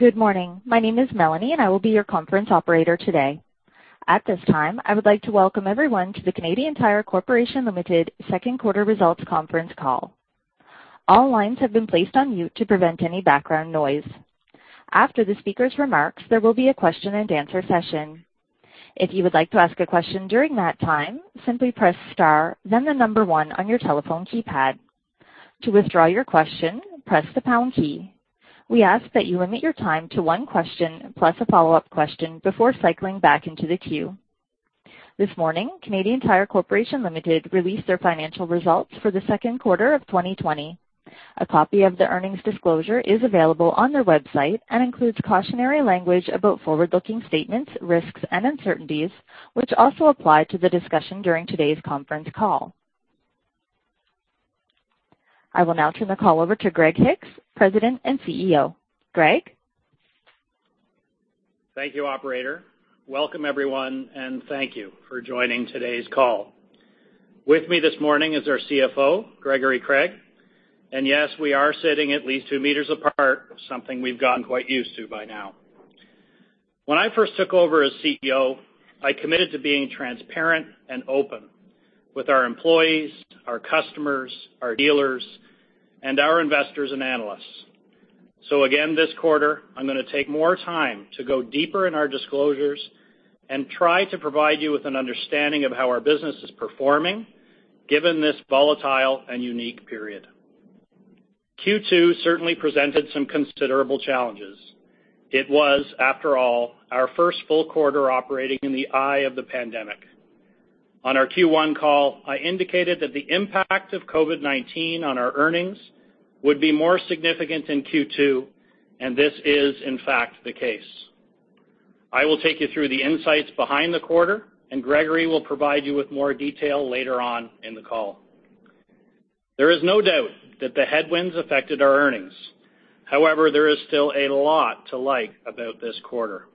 Good morning. My name is Melanie, and I will be your conference operator today. At this time, I would like to welcome everyone to the Canadian Tire Corporation Limited Second Quarter Results Conference Call. All lines have been placed on mute to prevent any background noise. After the speaker's remarks, there will be a question-and-answer session. If you would like to ask a question during that time, simply press star, then the number 1 on your telephone keypad. To withdraw your question, press the pound key. We ask that you limit your time to one question, plus a follow-up question before cycling back into the queue. This morning, Canadian Tire Corporation Limited released their financial results for the second quarter of 2020. A copy of the earnings disclosure is available on their website and includes cautionary language about forward-looking statements, risks, and uncertainties, which also apply to the discussion during today's conference call. I will now turn the call over to Greg Hicks, President and CEO. Greg? Thank you, operator. Welcome, everyone, and thank you for joining today's call. With me this morning is our CFO, Gregory Craig. And yes, we are sitting at least two meters apart, something we've gotten quite used to by now. When I first took over as CEO, I committed to being transparent and open with our employees, our customers, our dealers, and our investors and analysts. So again, this quarter, I'm gonna take more time to go deeper in our disclosures and try to provide you with an understanding of how our business is performing, given this volatile and unique period. Q2 certainly presented some considerable challenges. It was, after all, our first full quarter operating in the eye of the pandemic. On our Q1 call, I indicated that the impact of COVID-19 on our earnings would be more significant in Q2, and this is, in fact, the case. I will take you through the insights behind the quarter, and Gregory will provide you with more detail later on in the call. There is no doubt that the headwinds affected our earnings. However, there is still a lot to like about this quarter.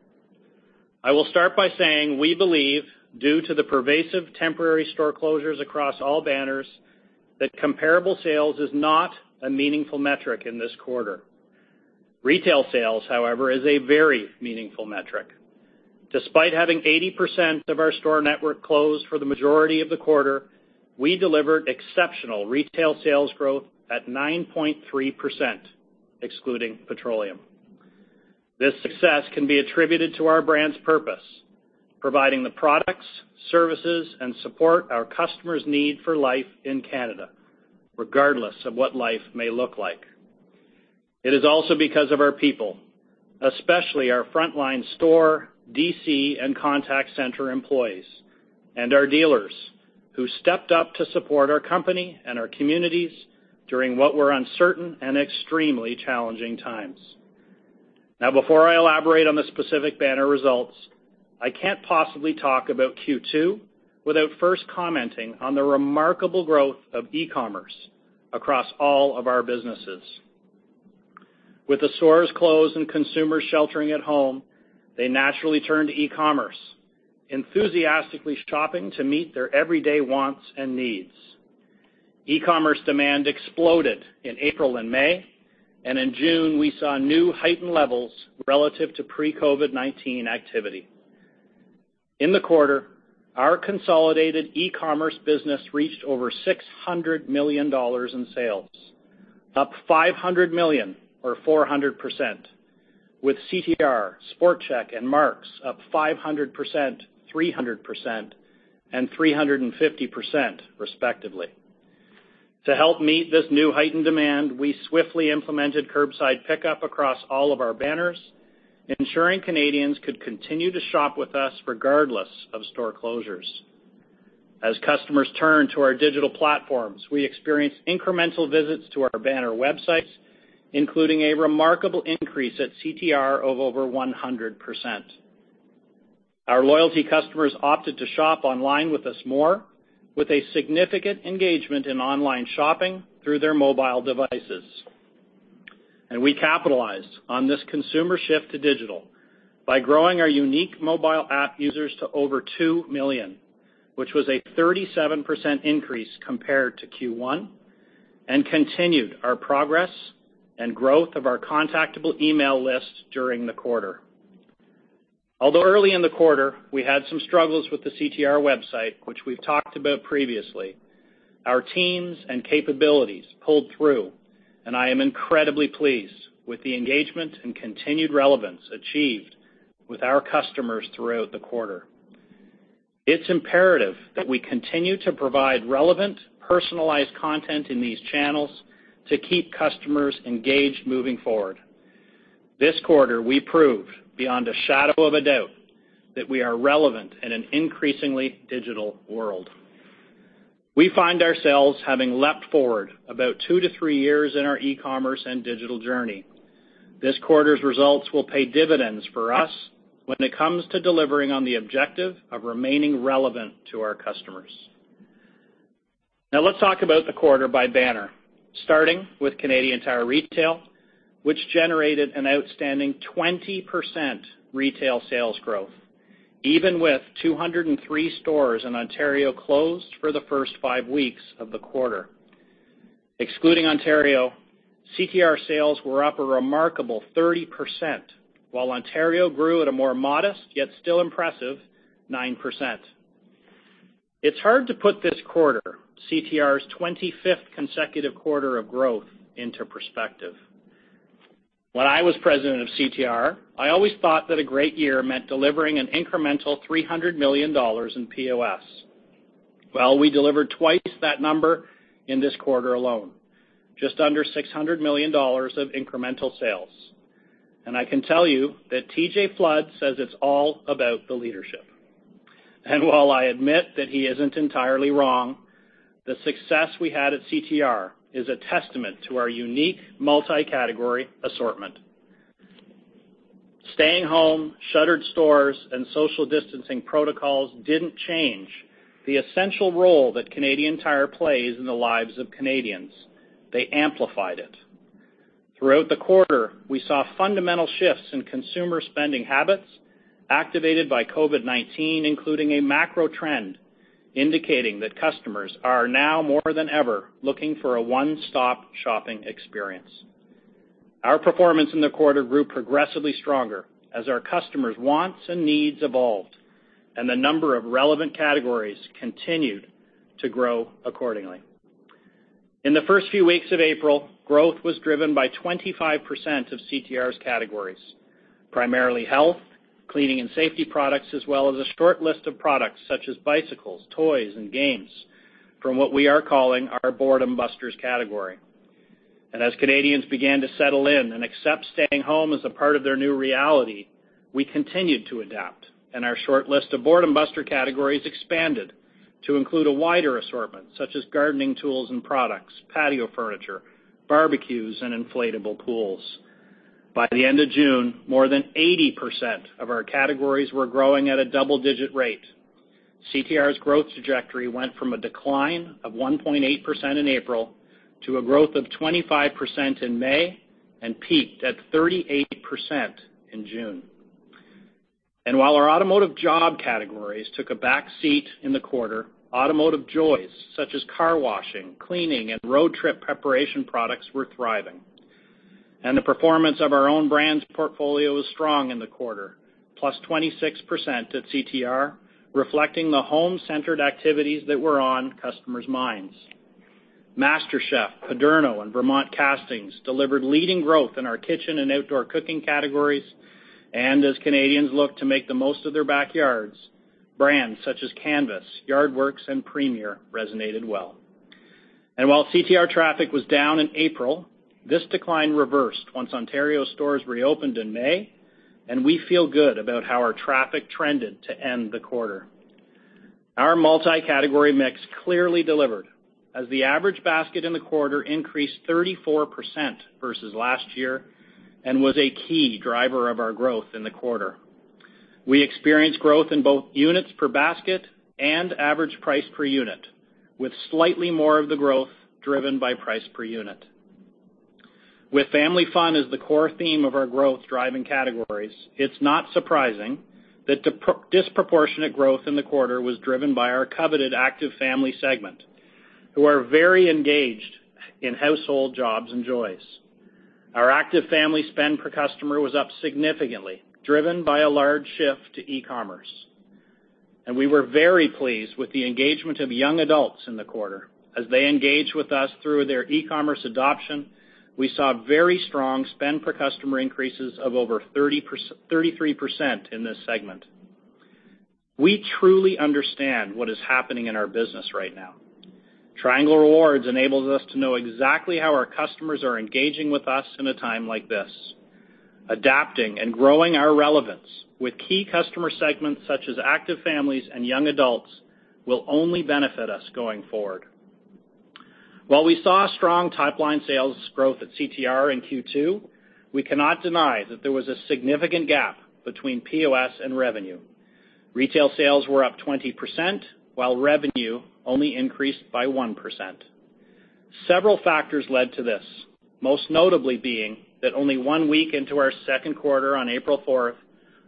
I will start by saying, we believe, due to the pervasive temporary store closures across all banners, that comparable sales is not a meaningful metric in this quarter. Retail sales, however, is a very meaningful metric. Despite having 80% of our store network closed for the majority of the quarter, we delivered exceptional retail sales growth at 9.3%, excluding petroleum. This success can be attributed to our brand's purpose, providing the products, services, and support our customers need for life in Canada, regardless of what life may look like. It is also because of our people, especially our frontline store, DC, and contact center employees and our dealers, who stepped up to support our company and our communities during what were uncertain and extremely challenging times. Now, before I elaborate on the specific banner results, I can't possibly talk about Q2 without first commenting on the remarkable growth of e-commerce across all of our businesses. With the stores closed and consumers sheltering at home, they naturally turned to e-commerce, enthusiastically shopping to meet their everyday wants and needs. E-commerce demand exploded in April and May, and in June, we saw new heightened levels relative to pre-COVID-19 activity. In the quarter, our consolidated e-commerce business reached over 600 million dollars in sales, up 500 million or 400%, with CTR, Sport Chek, and Mark's up 500%, 300%, and 350%, respectively. To help meet this new heightened demand, we swiftly implemented curbside pickup across all of our banners, ensuring Canadians could continue to shop with us regardless of store closures. As customers turned to our digital platforms, we experienced incremental visits to our banner websites, including a remarkable increase at CTR of over 100%. Our loyalty customers opted to shop online with us more, with a significant engagement in online shopping through their mobile devices. We capitalized on this consumer shift to digital by growing our unique mobile app users to over 2 million, which was a 37% increase compared to Q1, and continued our progress and growth of our contactable email list during the quarter. Although early in the quarter, we had some struggles with the CTR website, which we've talked about previously, our teams and capabilities pulled through, and I am incredibly pleased with the engagement and continued relevance achieved with our customers throughout the quarter. It's imperative that we continue to provide relevant, personalized content in these channels to keep customers engaged moving forward. This quarter, we proved beyond a shadow of a doubt that we are relevant in an increasingly digital world. We find ourselves having leapt forward about two to three years in our e-commerce and digital journey. This quarter's results will pay dividends for us when it comes to delivering on the objective of remaining relevant to our customers. Now, let's talk about the quarter by banner, starting with Canadian Tire Retail, which generated an outstanding 20% retail sales growth, even with 203 stores in Ontario closed for the first 5 weeks of the quarter, excluding Ontario, CTR sales were up a remarkable 30%, while Ontario grew at a more modest, yet still impressive, 9%. It's hard to put this quarter, CTR's 25th consecutive quarter of growth, into perspective. When I was president of CTR, I always thought that a great year meant delivering an incremental 300 million dollars in POS. Well, we delivered twice that number in this quarter alone, just under 600 million dollars of incremental sales. And I can tell you that TJ Flood says it's all about the leadership. While I admit that he isn't entirely wrong, the success we had at CTR is a testament to our unique multi-category assortment. Staying home, shuttered stores, and social distancing protocols didn't change the essential role that Canadian Tire plays in the lives of Canadians. They amplified it. Throughout the quarter, we saw fundamental shifts in consumer spending habits activated by COVID-19, including a macro trend indicating that customers are now, more than ever, looking for a one-stop shopping experience. Our performance in the quarter grew progressively stronger as our customers' wants and needs evolved, and the number of relevant categories continued to grow accordingly. In the first few weeks of April, growth was driven by 25% of CTR's categories, primarily health, cleaning, and safety products, as well as a short list of products such as bicycles, toys, and games from what we are calling our Boredom Busters category. As Canadians began to settle in and accept staying home as a part of their new reality, we continued to adapt, and our short list of Boredom Buster categories expanded to include a wider assortment, such as gardening tools and products, patio furniture, barbecues, and inflatable pools. By the end of June, more than 80% of our categories were growing at a double-digit rate. CTR's growth trajectory went from a decline of 1.8% in April to a growth of 25% in May and peaked at 38% in June. While our automotive job categories took a back seat in the quarter, automotive joys such as car washing, cleaning, and road trip preparation products were thriving. The performance of our own brands portfolio was strong in the quarter, +26% at CTR, reflecting the home-centered activities that were on customers' minds. MasterChef, Paderno, and Vermont Castings delivered leading growth in our kitchen and outdoor cooking categories, and as Canadians looked to make the most of their backyards, brands such as Canvas, Yardworks, and Premier resonated well. While CTR traffic was down in April, this decline reversed once Ontario stores reopened in May, and we feel good about how our traffic trended to end the quarter. Our multi-category mix clearly delivered as the average basket in the quarter increased 34% versus last year and was a key driver of our growth in the quarter. We experienced growth in both units per basket and average price per unit, with slightly more of the growth driven by price per unit. With family fun as the core theme of our growth-driving categories, it's not surprising that the disproportionate growth in the quarter was driven by our coveted Active Family segment, who are very engaged in household jobs and joys. Our Active Family spend per customer was up significantly, driven by a large shift to e-commerce, and we were very pleased with the engagement of young adults in the quarter. As they engaged with us through their e-commerce adoption, we saw very strong spend per customer increases of over 33% in this segment. We truly understand what is happening in our business right now. Triangle Rewards enables us to know exactly how our customers are engaging with us in a time like this. Adapting and growing our relevance with key customer segments, such as active families and young adults, will only benefit us going forward. While we saw strong top-line sales growth at CTR in Q2, we cannot deny that there was a significant gap between POS and revenue. Retail sales were up 20%, while revenue only increased by 1%. Several factors led to this, most notably being that only 1 week into our second quarter on April fourth,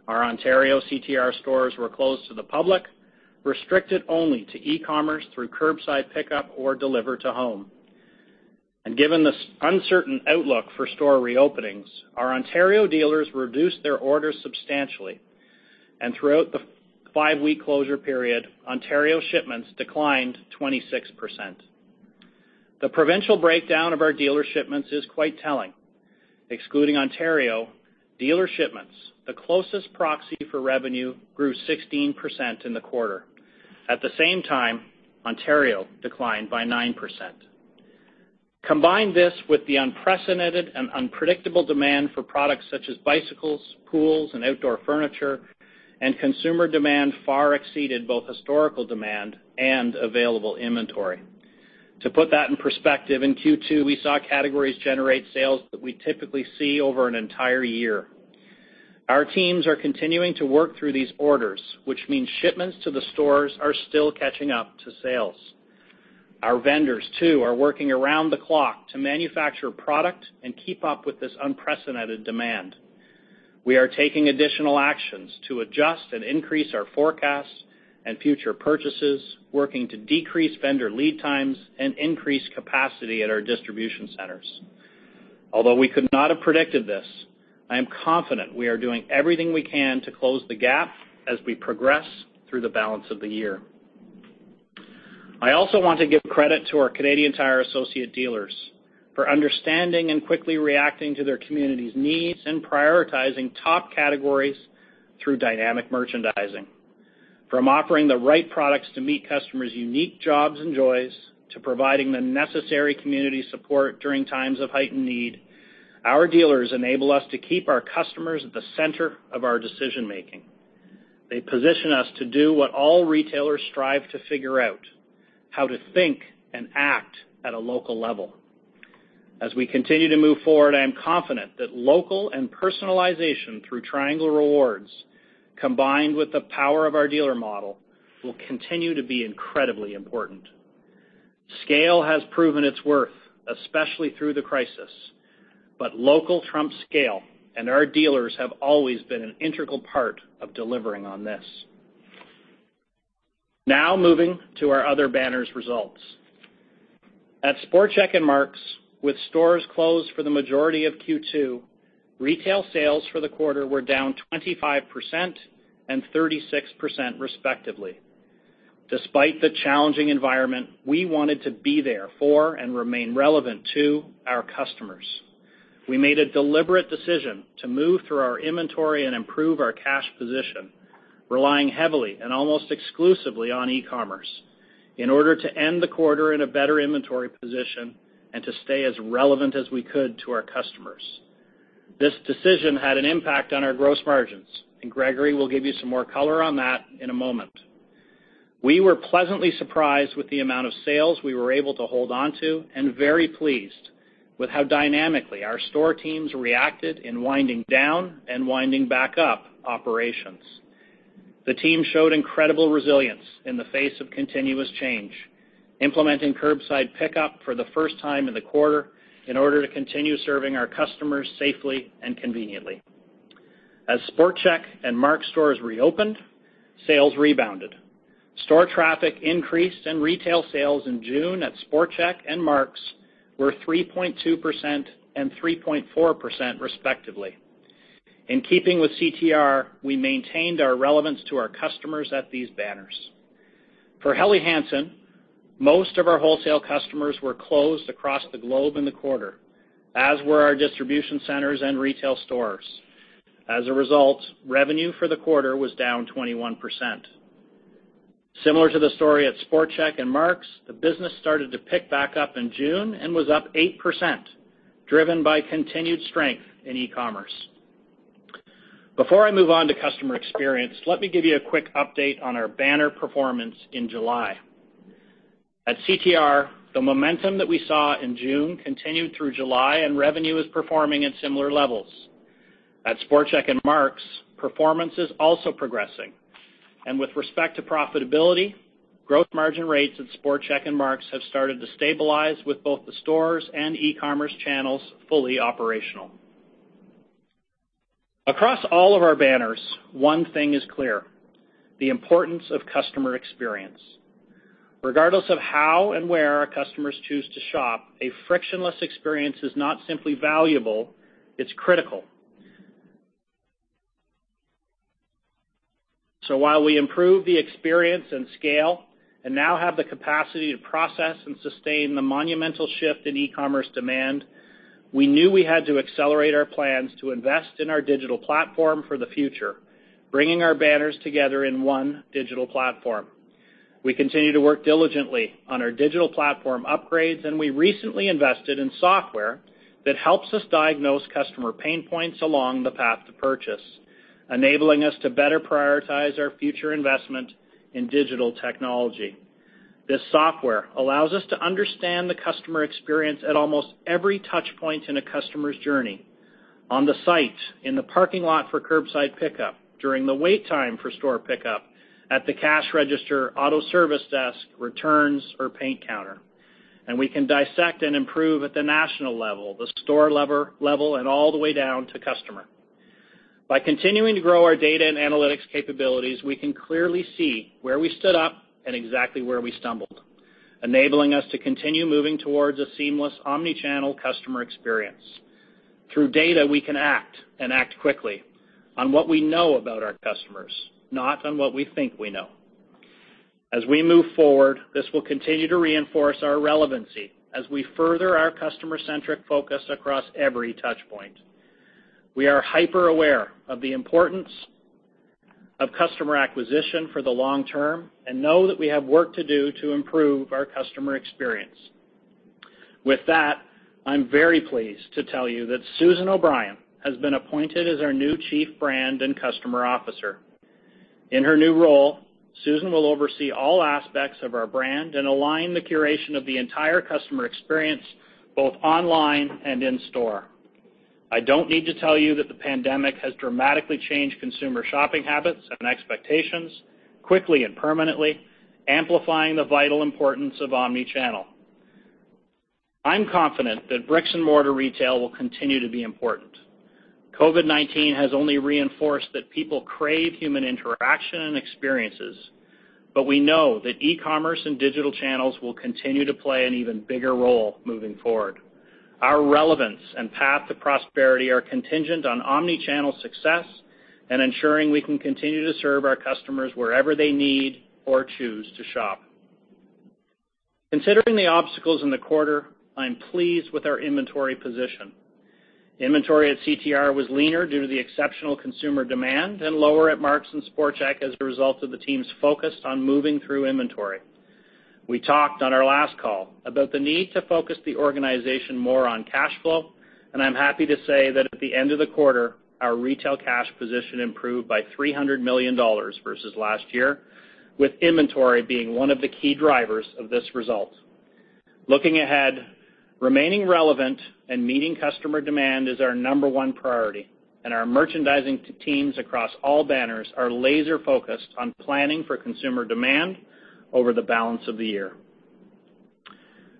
our Ontario CTR stores were closed to the public, restricted only to e-commerce through curbside pickup or deliver to home. Given this uncertain outlook for store reopenings, our Ontario dealers reduced their orders substantially, and throughout the 5-week closure period, Ontario shipments declined 26%. The provincial breakdown of our dealer shipments is quite telling. Excluding Ontario, dealer shipments, the closest proxy for revenue, grew 16% in the quarter. At the same time, Ontario declined by 9%. Combine this with the unprecedented and unpredictable demand for products such as bicycles, pools, and outdoor furniture, and consumer demand far exceeded both historical demand and available inventory. To put that in perspective, in Q2, we saw categories generate sales that we typically see over an entire year. Our teams are continuing to work through these orders, which means shipments to the stores are still catching up to sales. Our vendors, too, are working around the clock to manufacture product and keep up with this unprecedented demand.... We are taking additional actions to adjust and increase our forecasts and future purchases, working to decrease vendor lead times, and increase capacity at our distribution centers. Although we could not have predicted this, I am confident we are doing everything we can to close the gap as we progress through the balance of the year. I also want to give credit to our Canadian Tire Associate Dealers for understanding and quickly reacting to their community's needs and prioritizing top categories through dynamic merchandising. From offering the right products to meet customers' unique jobs and joys, to providing the necessary community support during times of heightened need, our dealers enable us to keep our customers at the center of our decision-making. They position us to do what all retailers strive to figure out, how to think and act at a local level. As we continue to move forward, I am confident that local and personalization through Triangle Rewards, combined with the power of our dealer model, will continue to be incredibly important. Scale has proven its worth, especially through the crisis, but local trumps scale, and our dealers have always been an integral part of delivering on this. Now moving to our other banners results. At Sport Chek and Mark's, with stores closed for the majority of Q2, retail sales for the quarter were down 25% and 36%, respectively. Despite the challenging environment, we wanted to be there for and remain relevant to our customers. We made a deliberate decision to move through our inventory and improve our cash position, relying heavily and almost exclusively on e-commerce in order to end the quarter in a better inventory position and to stay as relevant as we could to our customers. This decision had an impact on our gross margins, and Gregory will give you some more color on that in a moment. We were pleasantly surprised with the amount of sales we were able to hold on to, and very pleased with how dynamically our store teams reacted in winding down and winding back up operations. The team showed incredible resilience in the face of continuous change, implementing curbside pickup for the first time in the quarter in order to continue serving our customers safely and conveniently. As Sport Chek and Mark's stores reopened, sales rebounded. Store traffic increased, and retail sales in June at Sport Chek and Mark's were 3.2% and 3.4%, respectively. In keeping with CTR, we maintained our relevance to our customers at these banners. For Helly Hansen, most of our wholesale customers were closed across the globe in the quarter, as were our distribution centers and retail stores. As a result, revenue for the quarter was down 21%. Similar to the story at Sport Chek and Mark's, the business started to pick back up in June and was up 8%, driven by continued strength in e-commerce. Before I move on to customer experience, let me give you a quick update on our banner performance in July. At CTR, the momentum that we saw in June continued through July, and revenue is performing at similar levels. At Sport Chek and Mark's, performance is also progressing, and with respect to profitability, growth margin rates at Sport Chek and Mark's have started to stabilize with both the stores and e-commerce channels fully operational. Across all of our banners, one thing is clear, the importance of customer experience. Regardless of how and where our customers choose to shop, a frictionless experience is not simply valuable, it's critical. So while we improve the experience and scale and now have the capacity to process and sustain the monumental shift in e-commerce demand, we knew we had to accelerate our plans to invest in our digital platform for the future, bringing our banners together in one digital platform. We continue to work diligently on our digital platform upgrades, and we recently invested in software that helps us diagnose customer pain points along the path to purchase, enabling us to better prioritize our future investment in digital technology. This software allows us to understand the customer experience at almost every touch point in a customer's journey, on the site, in the parking lot for curbside pickup, during the wait time for store pickup, at the cash register, auto service desk, returns, or paint counter. We can dissect and improve at the national level, the store level, and all the way down to customer. By continuing to grow our data and analytics capabilities, we can clearly see where we stood up and exactly where we stumbled, enabling us to continue moving towards a seamless omni-channel customer experience. Through data, we can act and act quickly on what we know about our customers, not on what we think we know. As we move forward, this will continue to reinforce our relevancy as we further our customer-centric focus across every touch point. We are hyper-aware of the importance of customer acquisition for the long term and know that we have work to do to improve our customer experience. With that, I'm very pleased to tell you that Susan O'Brien has been appointed as our new Chief Brand and Customer Officer. In her new role, Susan will oversee all aspects of our brand and align the curation of the entire customer experience, both online and in store. I don't need to tell you that the pandemic has dramatically changed consumer shopping habits and expectations quickly and permanently, amplifying the vital importance of omni-channel.... I'm confident that bricks-and-mortar retail will continue to be important. COVID-19 has only reinforced that people crave human interaction and experiences, but we know that e-commerce and digital channels will continue to play an even bigger role moving forward. Our relevance and path to prosperity are contingent on omni-channel success and ensuring we can continue to serve our customers wherever they need or choose to shop. Considering the obstacles in the quarter, I'm pleased with our inventory position. Inventory at CTR was leaner due to the exceptional consumer demand and lower at Mark's and Sport Chek as a result of the team's focus on moving through inventory. We talked on our last call about the need to focus the organization more on cash flow, and I'm happy to say that at the end of the quarter, our retail cash position improved by 300 million dollars versus last year, with inventory being one of the key drivers of this result. Looking ahead, remaining relevant and meeting customer demand is our number one priority, and our merchandising teams across all banners are laser-focused on planning for consumer demand over the balance of the year.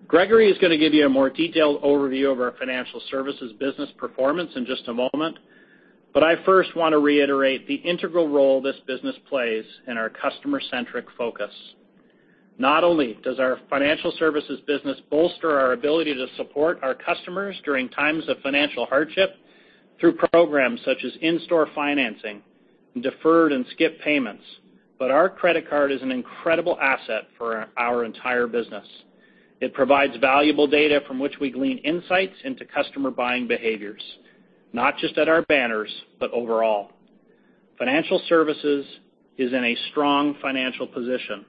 Gregory is gonna give you a more detailed overview of our financial services business performance in just a moment, but I first want to reiterate the integral role this business plays in our customer-centric focus. Not only does our financial services business bolster our ability to support our customers during times of financial hardship through programs such as in-store financing and deferred and skipped payments, but our credit card is an incredible asset for our entire business. It provides valuable data from which we glean insights into customer buying behaviors, not just at our banners, but overall. Financial services is in a strong financial position.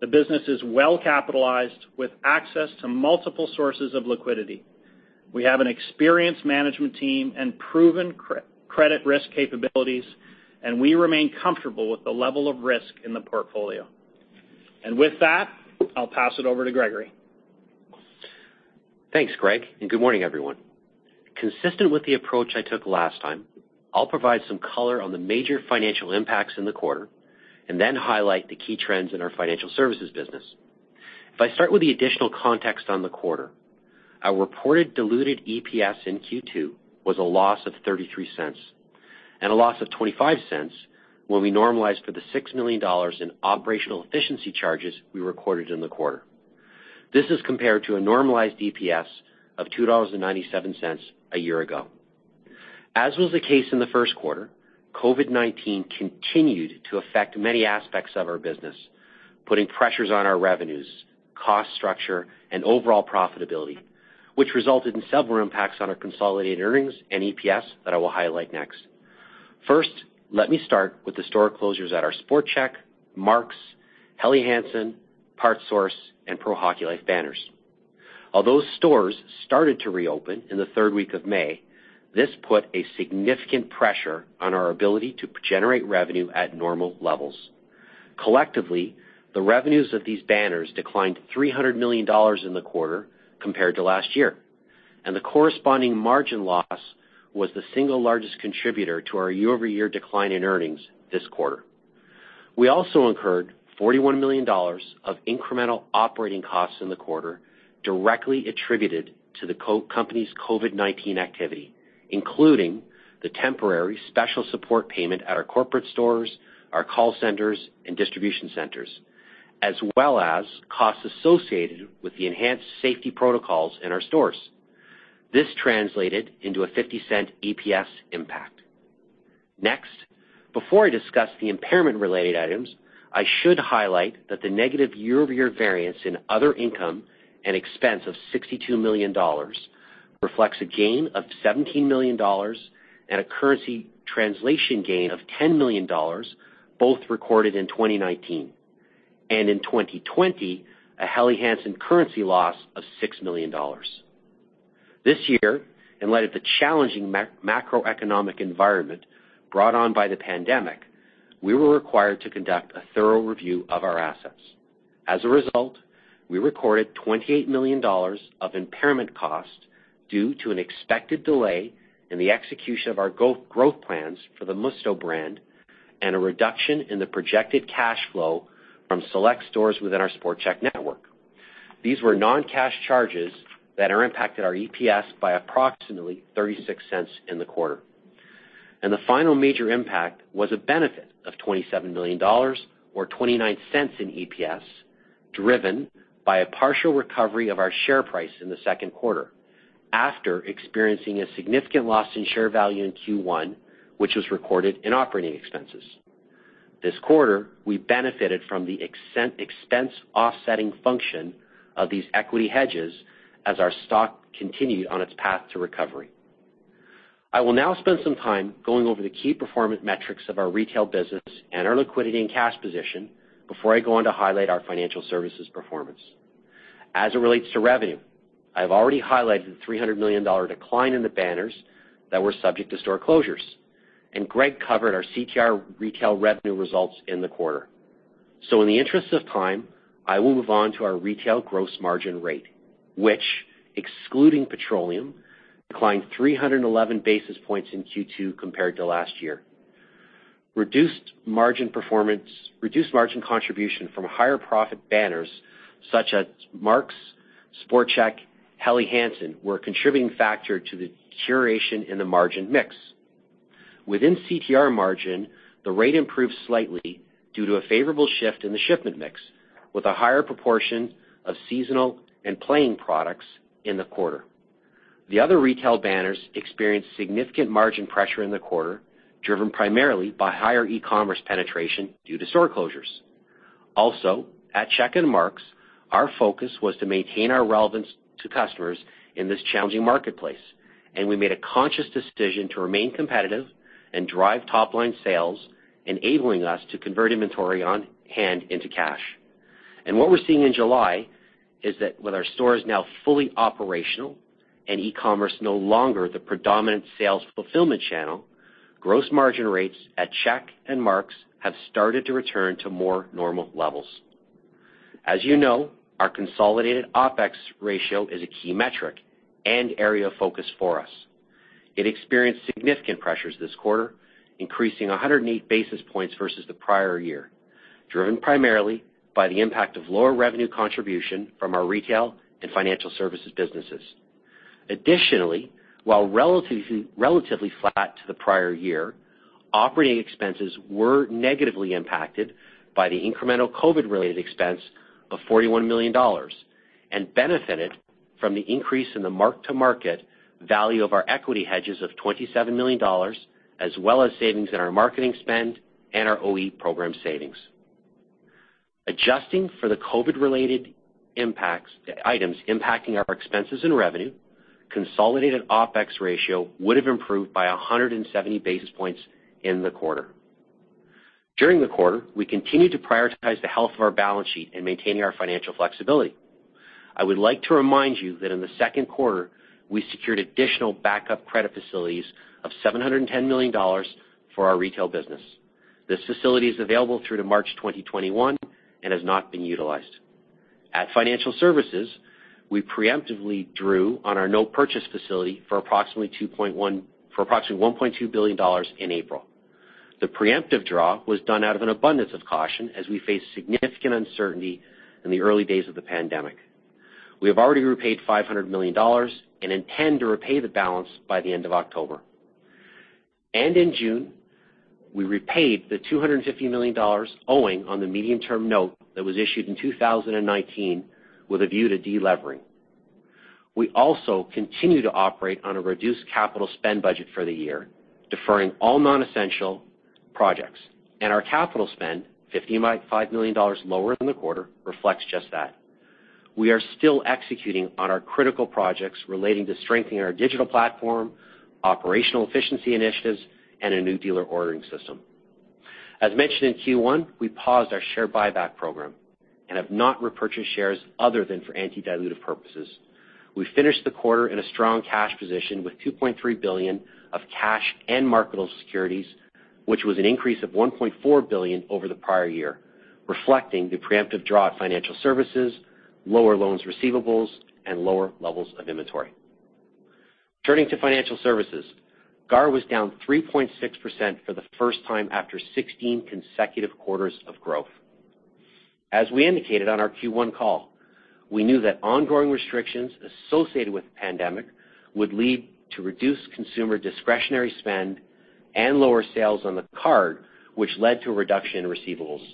The business is well-capitalized, with access to multiple sources of liquidity. We have an experienced management team and proven credit risk capabilities, and we remain comfortable with the level of risk in the portfolio. With that, I'll pass it over to Gregory. Thanks, Greg, and good morning, everyone. Consistent with the approach I took last time, I'll provide some color on the major financial impacts in the quarter and then highlight the key trends in our financial services business. If I start with the additional context on the quarter, our reported diluted EPS in Q2 was a loss of 0.33, and a loss of 0.25 when we normalized for 6 million dollars in Operational Efficiency charges we recorded in the quarter. This is compared to a normalized EPS of 2.97 dollars a year ago. As was the case in the first quarter, COVID-19 continued to affect many aspects of our business, putting pressures on our revenues, cost structure, and overall profitability, which resulted in several impacts on our consolidated earnings and EPS that I will highlight next. First, let me start with the store closures at our Sport Chek, Mark's, Helly Hansen, PartSource, and Pro Hockey Life banners. Although stores started to reopen in the third week of May, this put a significant pressure on our ability to generate revenue at normal levels. Collectively, the revenues of these banners declined 300 million dollars in the quarter compared to last year, and the corresponding margin loss was the single largest contributor to our year-over-year decline in earnings this quarter. We also incurred 41 million dollars of incremental operating costs in the quarter, directly attributed to the company's COVID-19 activity, including the temporary special support payment at our corporate stores, our call centers, and distribution centers, as well as costs associated with the enhanced safety protocols in our stores. This translated into a 0.50 EPS impact. Next, before I discuss the impairment-related items, I should highlight that the negative year-over-year variance in other income and expense of 62 million dollars reflects a gain of 17 million dollars and a currency translation gain of 10 million dollars, both recorded in 2019. In 2020, a Helly Hansen currency loss of 6 million dollars. This year, in light of the challenging macroeconomic environment brought on by the pandemic, we were required to conduct a thorough review of our assets. As a result, we recorded 28 million dollars of impairment cost due to an expected delay in the execution of our growth plans for the Musto brand and a reduction in the projected cash flow from select stores within our Sport Chek network. These were non-cash charges that are impacted our EPS by approximately 0.36 in the quarter. The final major impact was a benefit of 27 million dollars or 0.29 in EPS, driven by a partial recovery of our share price in the second quarter after experiencing a significant loss in share value in Q1, which was recorded in operating expenses. This quarter, we benefited from the expense offsetting function of these equity hedges as our stock continued on its path to recovery. I will now spend some time going over the key performance metrics of our retail business and our liquidity and cash position before I go on to highlight our financial services performance. As it relates to revenue, I've already highlighted the 300 million dollar decline in the banners that were subject to store closures, and Greg covered our CTR retail revenue results in the quarter. So in the interest of time, I will move on to our retail gross margin rate, which, excluding petroleum, declined 311 basis points in Q2 compared to last year.... reduced margin performance, reduced margin contribution from higher profit banners such as Mark's, Sport Chek, Helly Hansen, were a contributing factor to the deterioration in the margin mix. Within CTR margin, the rate improved slightly due to a favorable shift in the shipment mix, with a higher proportion of seasonal and playing products in the quarter. The other retail banners experienced significant margin pressure in the quarter, driven primarily by higher e-commerce penetration due to store closures. Also, at Chek and Mark's, our focus was to maintain our relevance to customers in this challenging marketplace, and we made a conscious decision to remain competitive and drive top-line sales, enabling us to convert inventory on hand into cash. What we're seeing in July is that with our stores now fully operational and e-commerce no longer the predominant sales fulfillment channel, gross margin rates at Chek and Mark's have started to return to more normal levels. As you know, our consolidated OpEx ratio is a key metric and area of focus for us. It experienced significant pressures this quarter, increasing 108 basis points versus the prior year, driven primarily by the impact of lower revenue contribution from our retail and financial services businesses. Additionally, while relatively flat to the prior year, operating expenses were negatively impacted by the incremental COVID-related expense of 41 million dollars, and benefited from the increase in the mark-to-market value of our equity hedges of 27 million dollars, as well as savings in our marketing spend and our OE program savings. Adjusting for the COVID-related impacts, items impacting our expenses and revenue, consolidated OpEx ratio would have improved by 170 basis points in the quarter. During the quarter, we continued to prioritize the health of our balance sheet and maintaining our financial flexibility. I would like to remind you that in the second quarter, we secured additional backup credit facilities of 710 million dollars for our retail business. This facility is available through to March 2021 and has not been utilized. At Financial Services, we preemptively drew on our no-purchase facility for approximately one point two billion dollars in April. The preemptive draw was done out of an abundance of caution as we faced significant uncertainty in the early days of the pandemic. We have already repaid 500 million dollars and intend to repay the balance by the end of October. In June, we repaid the 250 million dollars owing on the medium-term note that was issued in 2019 with a view to delevering. We also continue to operate on a reduced capital spend budget for the year, deferring all non-essential projects, and our capital spend, 55 million dollars lower than the quarter, reflects just that. We are still executing on our critical projects relating to strengthening our digital platform, operational efficiency initiatives, and a new dealer ordering system. As mentioned in Q1, we paused our share buyback program and have not repurchased shares other than for anti-dilutive purposes. We finished the quarter in a strong cash position with 2.3 billion of cash and marketable securities, which was an increase of 1.4 billion over the prior year, reflecting the preemptive draw at financial services, lower loans receivables, and lower levels of inventory. Turning to financial services, GAR was down 3.6% for the first time after 16 consecutive quarters of growth. As we indicated on our Q1 call, we knew that ongoing restrictions associated with the pandemic would lead to reduced consumer discretionary spend and lower sales on the card, which led to a reduction in receivables.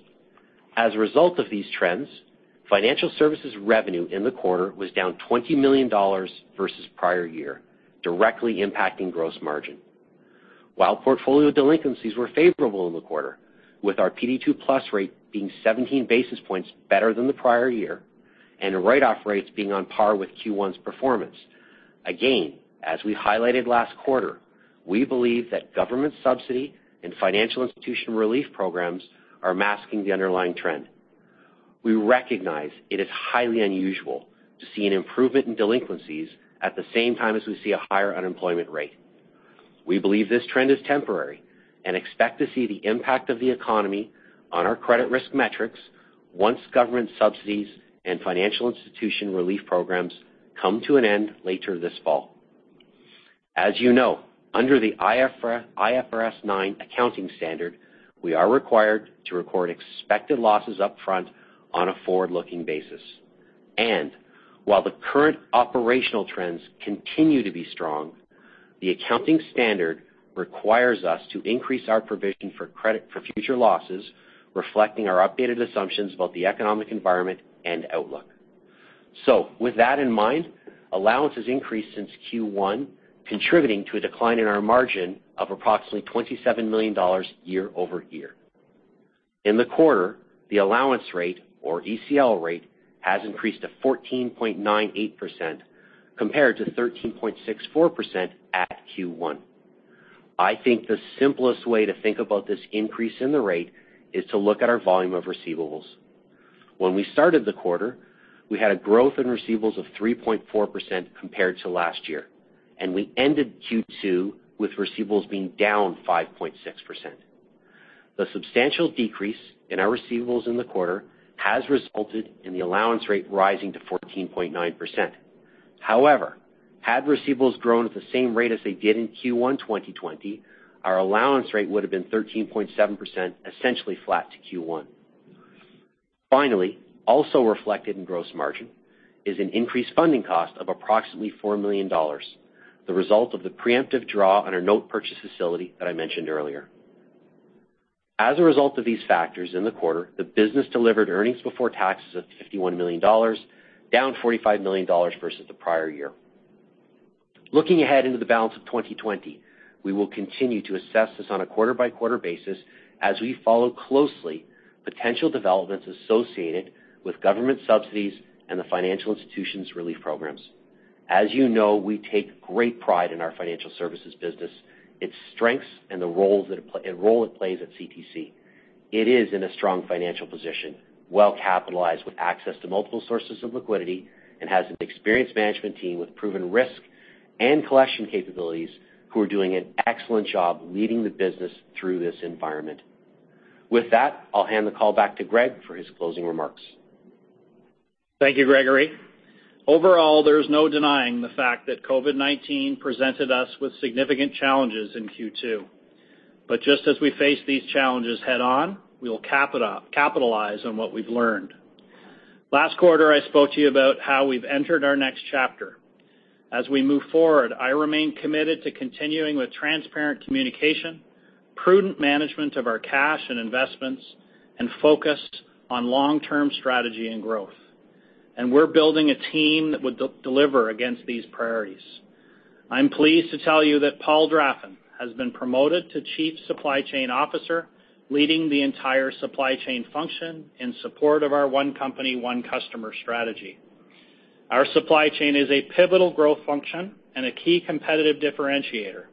As a result of these trends, financial services revenue in the quarter was down 20 million dollars versus prior year, directly impacting gross margin. While portfolio delinquencies were favorable in the quarter, with our PD2+ rate being 17 basis points better than the prior year and write-off rates being on par with Q1's performance, again, as we highlighted last quarter, we believe that government subsidy and financial institution relief programs are masking the underlying trend. We recognize it is highly unusual to see an improvement in delinquencies at the same time as we see a higher unemployment rate. We believe this trend is temporary and expect to see the impact of the economy on our credit risk metrics once government subsidies and financial institution relief programs come to an end later this fall. As you know, under the IFRS 9 accounting standard, we are required to record expected losses upfront on a forward-looking basis. While the current operational trends continue to be strong, the accounting standard requires us to increase our provision for credit for future losses, reflecting our updated assumptions about the economic environment and outlook. With that in mind, allowances increased since Q1, contributing to a decline in our margin of approximately 27 million dollars year-over-year. In the quarter, the allowance rate, or ECL rate, has increased to 14.98%, compared to 13.64% at Q1. I think the simplest way to think about this increase in the rate is to look at our volume of receivables. When we started the quarter, we had a growth in receivables of 3.4% compared to last year, and we ended Q2 with receivables being down 5.6%. The substantial decrease in our receivables in the quarter has resulted in the allowance rate rising to 14.9%.... However, had receivables grown at the same rate as they did in Q1 2020, our allowance rate would have been 13.7%, essentially flat to Q1. Finally, also reflected in gross margin is an increased funding cost of approximately 4 million dollars, the result of the preemptive draw on our note purchase facility that I mentioned earlier. As a result of these factors in the quarter, the business delivered earnings before taxes of 51 million dollars, down 45 million dollars versus the prior year. Looking ahead into the balance of 2020, we will continue to assess this on a quarter-by-quarter basis as we follow closely potential developments associated with government subsidies and the financial institutions relief programs. As you know, we take great pride in our financial services business, its strengths, and the role it plays at CTC. It is in a strong financial position, well-capitalized, with access to multiple sources of liquidity, and has an experienced management team with proven risk and collection capabilities, who are doing an excellent job leading the business through this environment. With that, I'll hand the call back to Greg for his closing remarks. Thank you, Gregory. Overall, there's no denying the fact that COVID-19 presented us with significant challenges in Q2. But just as we face these challenges head on, we will capitalize on what we've learned. Last quarter, I spoke to you about how we've entered our next chapter. As we move forward, I remain committed to continuing with transparent communication, prudent management of our cash and investments, and focused on long-term strategy and growth. And we're building a team that will deliver against these priorities. I'm pleased to tell you that Paul Draffin has been promoted to Chief Supply Chain Officer, leading the entire supply chain function in support of our One Company, One Customer strategy. Our supply chain is a pivotal growth function and a key competitive differentiator.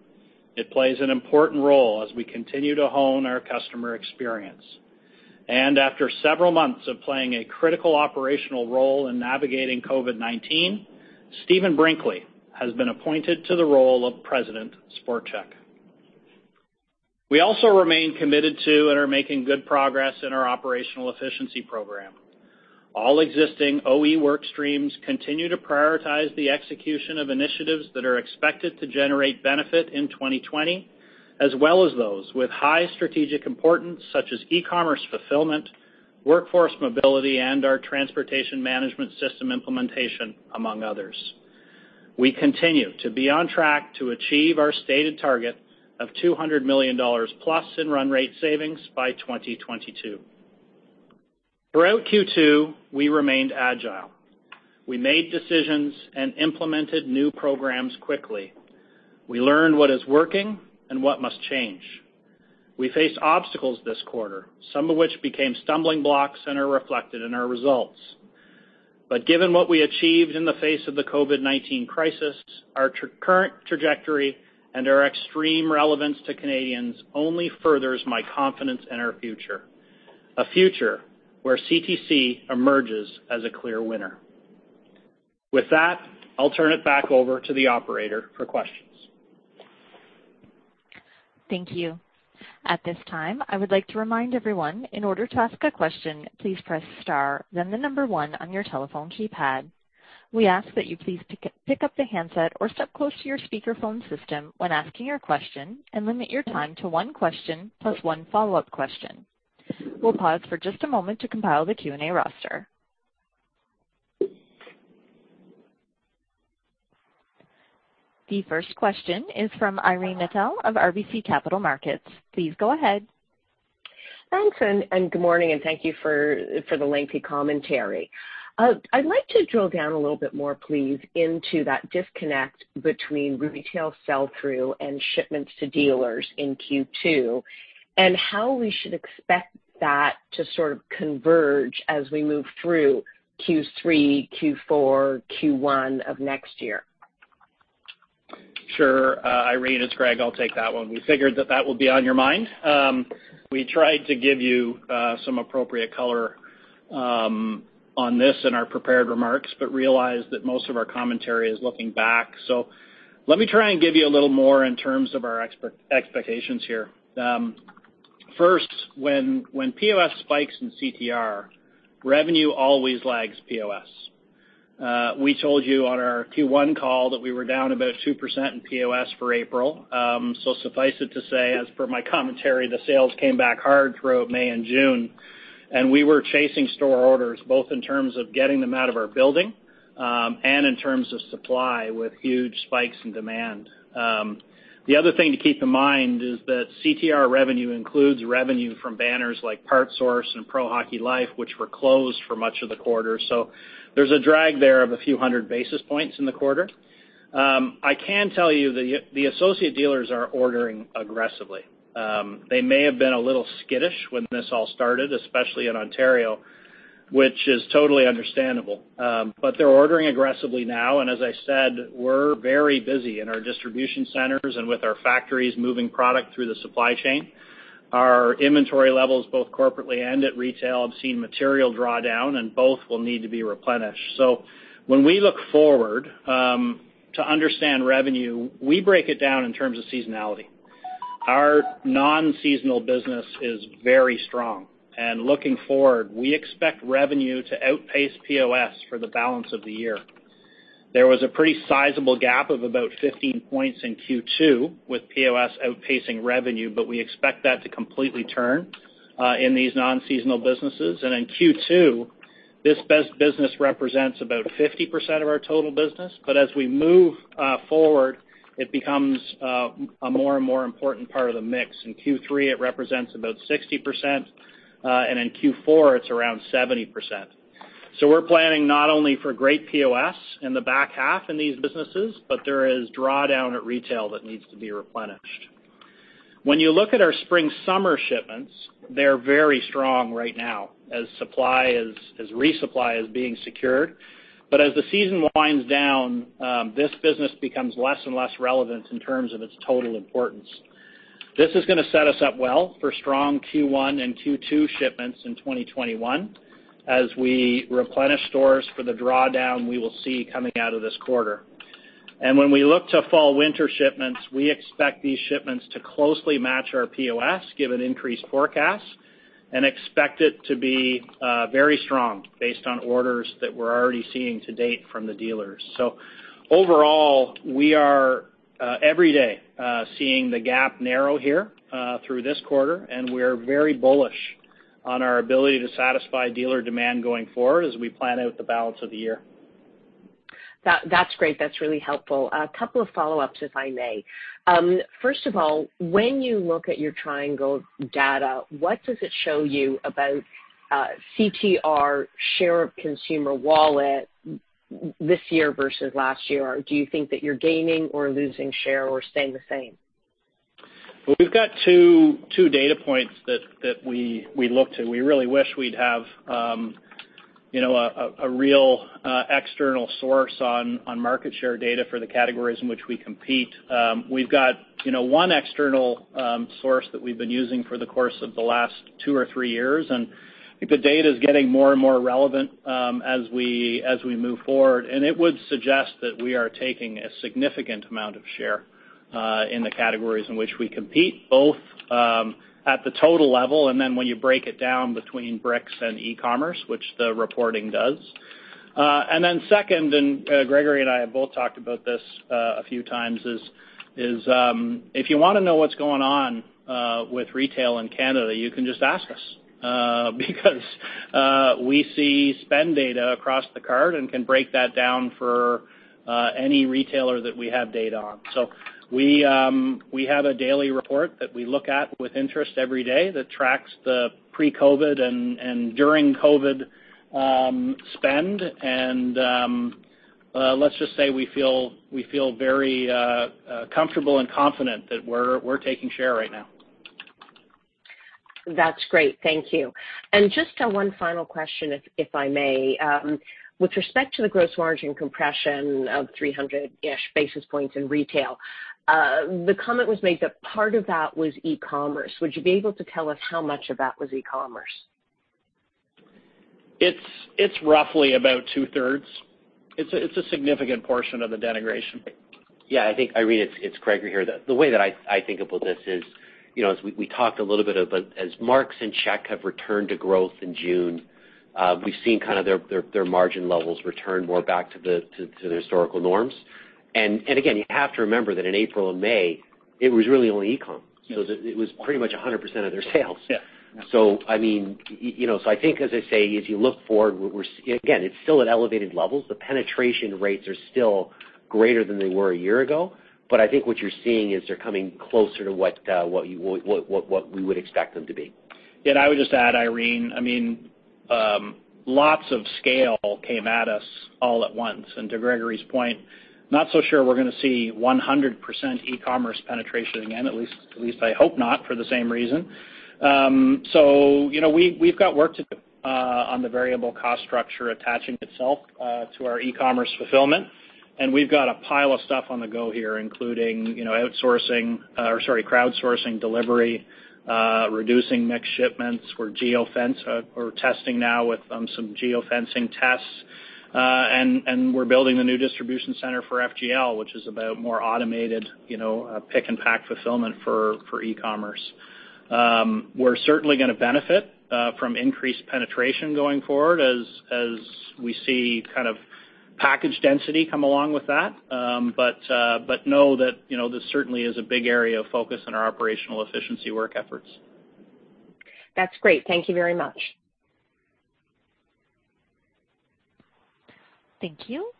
It plays an important role as we continue to hone our customer experience. After several months of playing a critical operational role in navigating COVID-19, Stephen Binkley has been appointed to the role of President, Sport Chek. We also remain committed to and are making good progress in our Operational Efficiency program. All existing OE work streams continue to prioritize the execution of initiatives that are expected to generate benefit in 2020, as well as those with high strategic importance, such as e-commerce fulfillment, workforce mobility, and our transportation management system implementation, among others. We continue to be on track to achieve our stated target of 200 million dollars+ in run rate savings by 2022. Throughout Q2, we remained agile. We made decisions and implemented new programs quickly. We learned what is working and what must change. We faced obstacles this quarter, some of which became stumbling blocks and are reflected in our results. But given what we achieved in the face of the COVID-19 crisis, our current trajectory and our extreme relevance to Canadians only furthers my confidence in our future, a future where CTC emerges as a clear winner. With that, I'll turn it back over to the operator for questions. Thank you. At this time, I would like to remind everyone, in order to ask a question, please press star, then the number one on your telephone keypad. We ask that you please pick up the handset or step close to your speakerphone system when asking your question, and limit your time to one question plus one follow-up question. We'll pause for just a moment to compile the Q&A roster. The first question is from Irene Nattel of RBC Capital Markets. Please go ahead. Thanks, and good morning, and thank you for the lengthy commentary. I'd like to drill down a little bit more, please, into that disconnect between retail sell-through and shipments to dealers in Q2, and how we should expect that to sort of converge as we move through Q3, Q4, Q1 of next year. Sure, Irene, it's Greg. I'll take that one. We figured that that would be on your mind. We tried to give you some appropriate color on this in our prepared remarks, but realized that most of our commentary is looking back. So let me try and give you a little more in terms of our expectations here. First, when POS spikes in CTR, revenue always lags POS. We told you on our Q1 call that we were down about 2% in POS for April. So suffice it to say, as per my commentary, the sales came back hard throughout May and June, and we were chasing store orders, both in terms of getting them out of our building, and in terms of supply, with huge spikes in demand. The other thing to keep in mind is that CTR revenue includes revenue from banners like PartSource and Pro Hockey Life, which were closed for much of the quarter. So there's a drag there of a few hundred basis points in the quarter. I can tell you the associate dealers are ordering aggressively. They may have been a little skittish when this all started, especially in Ontario, which is totally understandable. But they're ordering aggressively now, and as I said, we're very busy in our distribution centers and with our factories moving product through the supply chain. Our inventory levels, both corporately and at retail, have seen material drawdown, and both will need to be replenished. So when we look forward, to understand revenue, we break it down in terms of seasonality.... Our non-seasonal business is very strong. Looking forward, we expect revenue to outpace POS for the balance of the year. There was a pretty sizable gap of about 15 points in Q2 with POS outpacing revenue, but we expect that to completely turn in these non-seasonal businesses. In Q2, this best business represents about 50% of our total business. But as we move forward, it becomes a more and more important part of the mix. In Q3, it represents about 60%, and in Q4, it's around 70%. So we're planning not only for great POS in the back half in these businesses, but there is drawdown at retail that needs to be replenished. When you look at our spring, summer shipments, they're very strong right now as resupply is being secured. But as the season winds down, this business becomes less and less relevant in terms of its total importance. This is gonna set us up well for strong Q1 and Q2 shipments in 2021, as we replenish stores for the drawdown we will see coming out of this quarter. When we look to fall, winter shipments, we expect these shipments to closely match our POS, given increased forecast, and expect it to be very strong based on orders that we're already seeing to date from the dealers. Overall, we are every day seeing the gap narrow here through this quarter, and we're very bullish on our ability to satisfy dealer demand going forward as we plan out the balance of the year. That's great. That's really helpful. A couple of follow-ups, if I may. First of all, when you look at your Triangle data, what does it show you about CTR share of consumer wallet this year versus last year? Do you think that you're gaining or losing share or staying the same? Well, we've got two data points that we look to. We really wish we'd have, you know, a real external source on market share data for the categories in which we compete. We've got, you know, one external source that we've been using for the course of the last two or three years, and I think the data is getting more and more relevant as we move forward. And it would suggest that we are taking a significant amount of share in the categories in which we compete, both at the total level, and then when you break it down between bricks and e-commerce, which the reporting does. And then second, Gregory and I have both talked about this a few times, if you wanna know what's going on with retail in Canada, you can just ask us, because we see spend data across the card and can break that down for any retailer that we have data on. So we have a daily report that we look at with interest every day that tracks the pre-COVID and during COVID spend. Let's just say we feel very comfortable and confident that we're taking share right now. That's great. Thank you. Just one final question, if I may. With respect to the gross margin compression of 300-ish basis points in retail, the comment was made that part of that was e-commerce. Would you be able to tell us how much of that was e-commerce? It's roughly about two-thirds. It's a significant portion of the denigration. Yeah, I think, Irene, it's Gregory here. The way that I think about this is, you know, as we talked a little bit about, as Mark's and Sport Chek have returned to growth in June, we've seen kind of their margin levels return more back to the historical norms. And again, you have to remember that in April and May, it was really only e-com. Yes. It was pretty much 100% of their sales. Yeah. So I mean, you know, so I think, as I say, as you look forward, we're—again, it's still at elevated levels. The penetration rates are still greater than they were a year ago. But I think what you're seeing is they're coming closer to what we would expect them to be. I would just add, Irene, I mean, lots of scale came at us all at once. To Gregory's point, not so sure we're gonna see 100% e-commerce penetration again, at least, at least I hope not, for the same reason. So you know, we, we've got work to do on the variable cost structure attaching itself to our e-commerce fulfillment, and we've got a pile of stuff on the go here, including, you know, outsourcing, sorry, crowdsourcing delivery, reducing mixed shipments. We're testing now with some geofencing tests, and, and we're building a new distribution center for FGL, which is about more automated, you know, pick and pack fulfillment for, for e-commerce. We're certainly gonna benefit from increased penetration going forward as we see kind of package density come along with that. But know that, you know, this certainly is a big area of focus in our operational efficiency work efforts. That's great. Thank you very much. Thank you.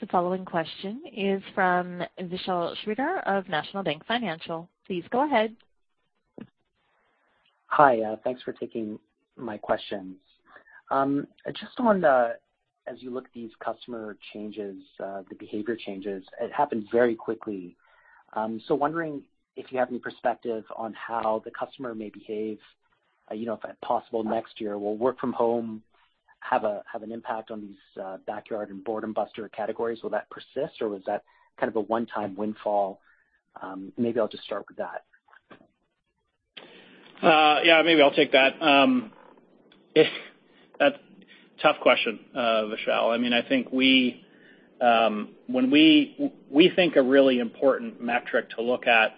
The following question is from Vishal Shreedhar of National Bank Financial. Please go ahead. Hi, thanks for taking my questions. Just on the, as you look at these customer changes, the behavior changes, it happened very quickly. So wondering if you have any perspective on how the customer may behave, you know, if possible, next year? Will work from home have a, have an impact on these, backyard and Boredom Buster categories? Will that persist, or was that kind of a one-time windfall? Maybe I'll just start with that. Yeah, maybe I'll take that. If that's a tough question, Vishal. I mean, I think when we think a really important metric to look at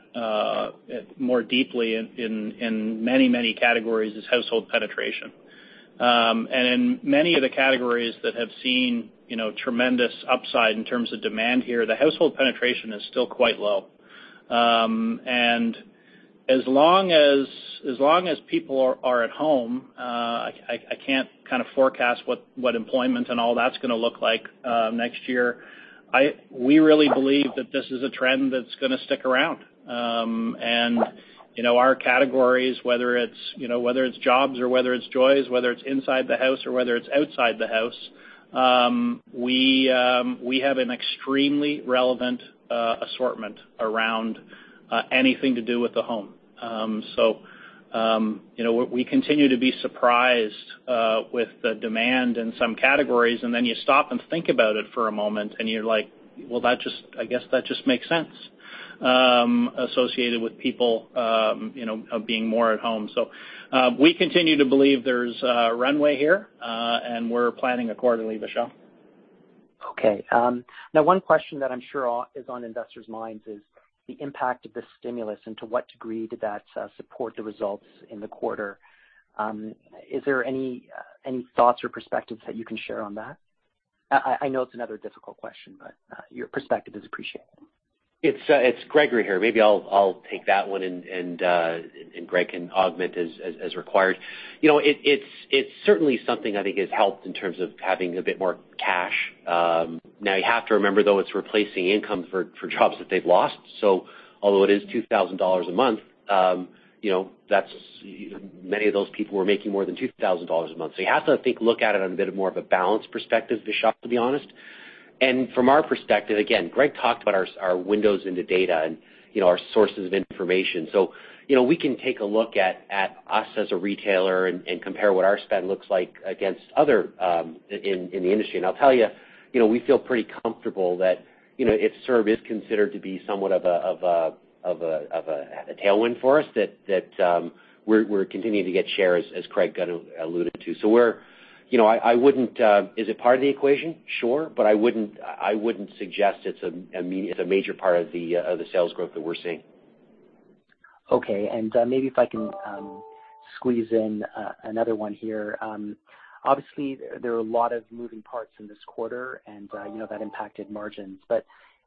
more deeply in many, many categories is household penetration. And in many of the categories that have seen, you know, tremendous upside in terms of demand here, the household penetration is still quite low. And as long as people are at home, I can't kind of forecast what employment and all that's gonna look like next year. We really believe that this is a trend that's gonna stick around. And, you know, our categories, whether it's, you know, whether it's jobs or whether it's joys, whether it's inside the house or whether it's outside the house, we have an extremely relevant assortment around anything to do with the home. So, you know, we continue to be surprised with the demand in some categories, and then you stop and think about it for a moment, and you're like, "Well, that just... I guess that just makes sense," associated with people, you know, of being more at home. So, we continue to believe there's a runway here, and we're planning accordingly, Vishal. Okay. Now one question that I'm sure is on investors' minds is the impact of the stimulus, and to what degree did that support the results in the quarter? Is there any thoughts or perspectives that you can share on that? I know it's another difficult question, but your perspective is appreciated. It's Gregory here. Maybe I'll take that one, and Greg can augment as required. You know, it's certainly something I think has helped in terms of having a bit more cash. Now you have to remember, though, it's replacing income for jobs that they've lost. So although it is 2,000 dollars a month, you know, that's... Many of those people were making more than 2,000 dollars a month. So you have to, I think, look at it on a bit more of a balanced perspective, Vishal, to be honest. And from our perspective, again, Greg talked about our windows into data and, you know, our sources of information. So, you know, we can take a look at us as a retailer and compare what our spend looks like against other in the industry. And I'll tell you, you know, we feel pretty comfortable that, you know, it sort of is considered to be somewhat of a tailwind for us, that we're continuing to get shares, as Craig kind of alluded to. So we're... You know, I wouldn't... Is it part of the equation? Sure. But I wouldn't suggest it's a—it's a major part of the sales growth that we're seeing. Okay. And, maybe if I can, squeeze in, another one here. Obviously, there are a lot of moving parts in this quarter, and, you know, that impacted margins. But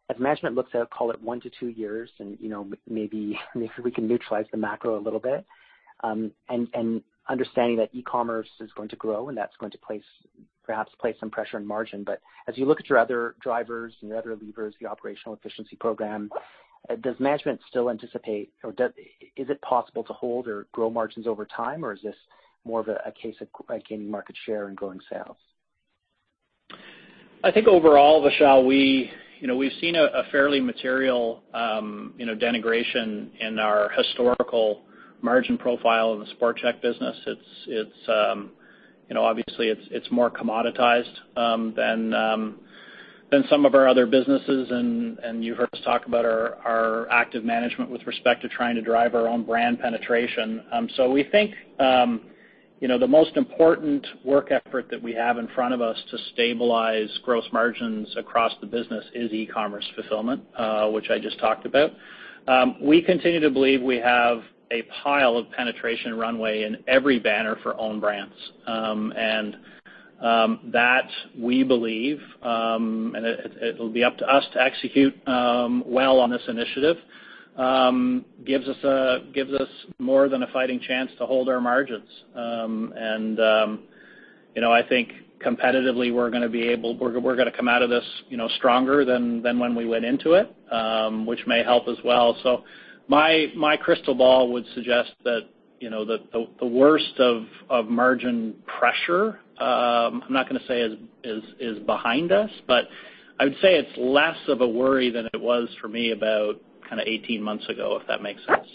as management looks out, call it one to two years, and, you know, maybe if we can neutralize the macro a little bit, and understanding that e-commerce is going to grow and that's going to place, perhaps, some pressure on margin. But as you look at your other drivers and your other levers, the operational efficiency program, does management still anticipate or does... Is it possible to hold or grow margins over time, or is this more of a case of gaining market share and growing sales? I think overall, Vishal, we, you know, we've seen a fairly material, you know, deterioration in our historical margin profile in the Sport Chek business. It's more commoditized than some of our other businesses. And you heard us talk about our active management with respect to trying to drive our own brand penetration. So we think, you know, the most important work effort that we have in front of us to stabilize gross margins across the business is e-commerce fulfillment, which I just talked about. We continue to believe we have a pile of penetration runway in every banner for own brands. And that, we believe, and it, it'll be up to us to execute well on this initiative, gives us more than a fighting chance to hold our margins. You know, I think competitively, we're gonna be able to come out of this stronger than when we went into it, which may help as well. So my crystal ball would suggest that, you know, the worst of margin pressure, I'm not gonna say is behind us, but I would say it's less of a worry than it was for me about kind of 18 months ago, if that makes sense.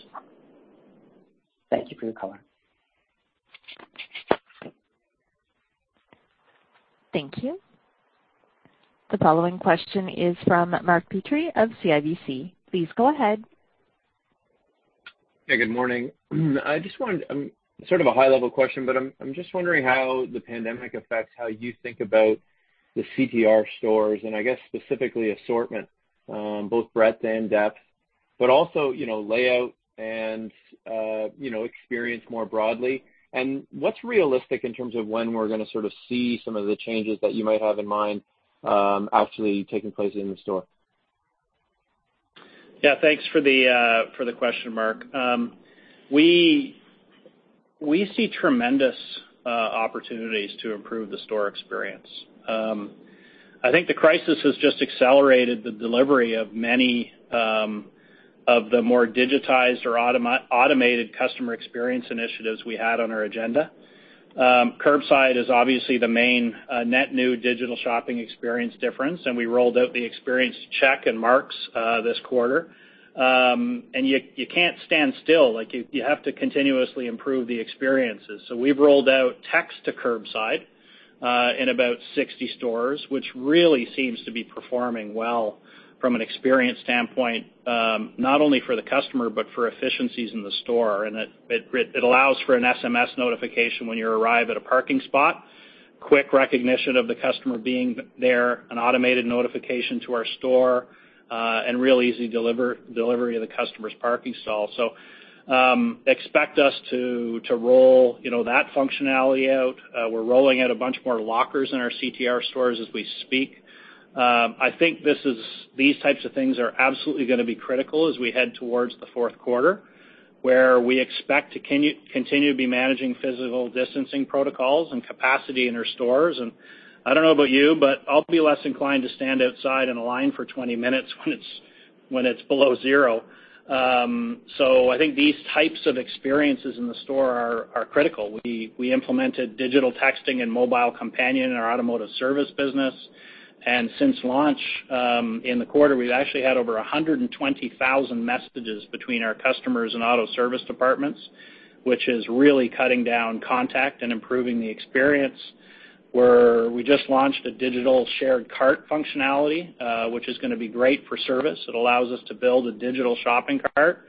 Thank you for your color. Thank you. The following question is from Mark Petrie of CIBC. Please go ahead. Hey, good morning. I just wanted sort of a high-level question, but I'm just wondering how the pandemic affects how you think about the CTR stores, and I guess specifically assortment, both breadth and depth, but also, you know, layout and, you know, experience more broadly. And what's realistic in terms of when we're gonna sort of see some of the changes that you might have in mind, actually taking place in the store? Yeah, thanks for the, for the question, Mark. We see tremendous opportunities to improve the store experience. I think the crisis has just accelerated the delivery of many of the more digitized or automated customer experience initiatives we had on our agenda. Curbside is obviously the main net new digital shopping experience difference, and we rolled out the experience Chek and Mark's this quarter. And you can't stand still. Like, you have to continuously improve the experiences. So we've rolled out text to curbside in about 60 stores, which really seems to be performing well from an experience standpoint, not only for the customer but for efficiencies in the store. And it allows for an SMS notification when you arrive at a parking spot, quick recognition of the customer being there, an automated notification to our store, and real easy delivery of the customer's parking stall. So, expect us to roll, you know, that functionality out. We're rolling out a bunch more lockers in our CTR stores as we speak. I think these types of things are absolutely gonna be critical as we head towards the fourth quarter, where we expect to continue to be managing physical distancing protocols and capacity in our stores. And I don't know about you, but I'll be less inclined to stand outside in a line for 20 minutes when it's below zero. So I think these types of experiences in the store are critical. We implemented digital texting and mobile companion in our automotive service business, and since launch in the quarter, we've actually had over 120,000 messages between our customers and auto service departments, which is really cutting down contact and improving the experience. We just launched a digital shared cart functionality, which is gonna be great for service. It allows us to build a digital shopping cart,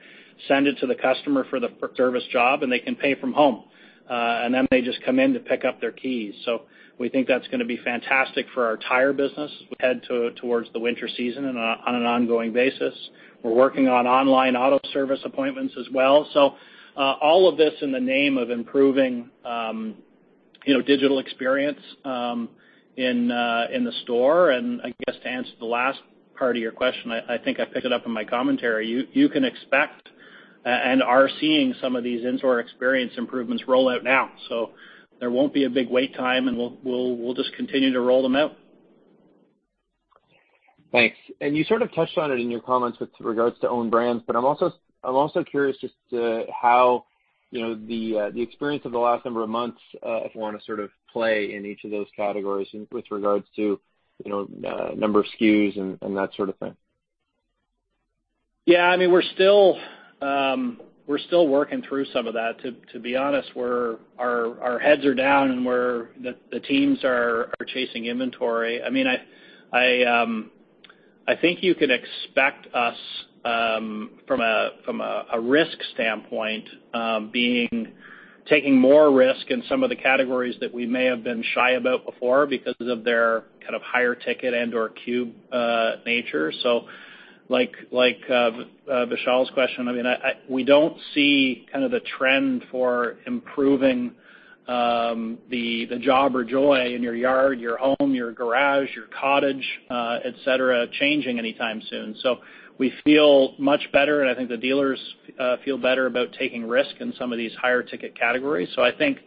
send it to the customer for the service job, and they can pay from home, and then they just come in to pick up their keys. So we think that's gonna be fantastic for our tire business as we head towards the winter season and on an ongoing basis. We're working on online auto service appointments as well. So, all of this in the name of improving, you know, digital experience, in the store. And I guess to answer the last part of your question, I think I picked it up in my commentary. You can expect, and are seeing some of these in-store experience improvements roll out now. So there won't be a big wait time, and we'll just continue to roll them out. Thanks. And you sort of touched on it in your comments with regards to own brands, but I'm also, I'm also curious just, how, you know, the, the experience of the last number of months, if you want to sort of play in each of those categories with regards to, you know, number of SKUs and, and that sort of thing. Yeah, I mean, we're still working through some of that. To be honest, we're -- our heads are down, and we're... The teams are chasing inventory. I mean, I think you can expect us from a risk standpoint taking more risk in some of the categories that we may have been shy about before because of their kind of higher ticket and/or cube nature. So like Vishal's question, I mean, we don't see kind of the trend for improving the job or joy in your yard, your home, your garage, your cottage, et cetera, changing anytime soon. So we feel much better, and I think the dealers feel better about taking risk in some of these higher ticket categories. So I think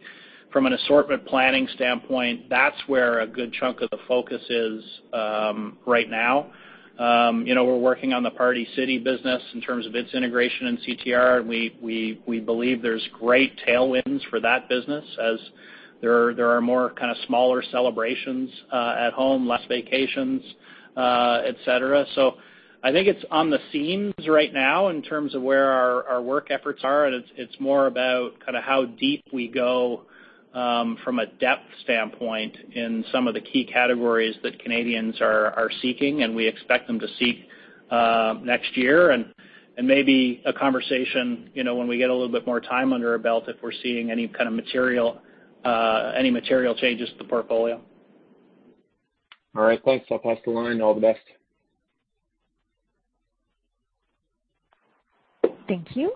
from an assortment planning standpoint, that's where a good chunk of the focus is, right now. You know, we're working on the Party City business in terms of its integration in CTR, and we believe there's great tailwinds for that business as there are more kind of smaller celebrations at home, less vacations, et cetera. So I think it's on the scene right now in terms of where our work efforts are, and it's more about kind of how deep we go from a depth standpoint in some of the key categories that Canadians are seeking, and we expect them to seek next year. Maybe a conversation, you know, when we get a little bit more time under our belt, if we're seeing any kind of material any material changes to the portfolio. All right, thanks. I'll pass the line. All the best. Thank you.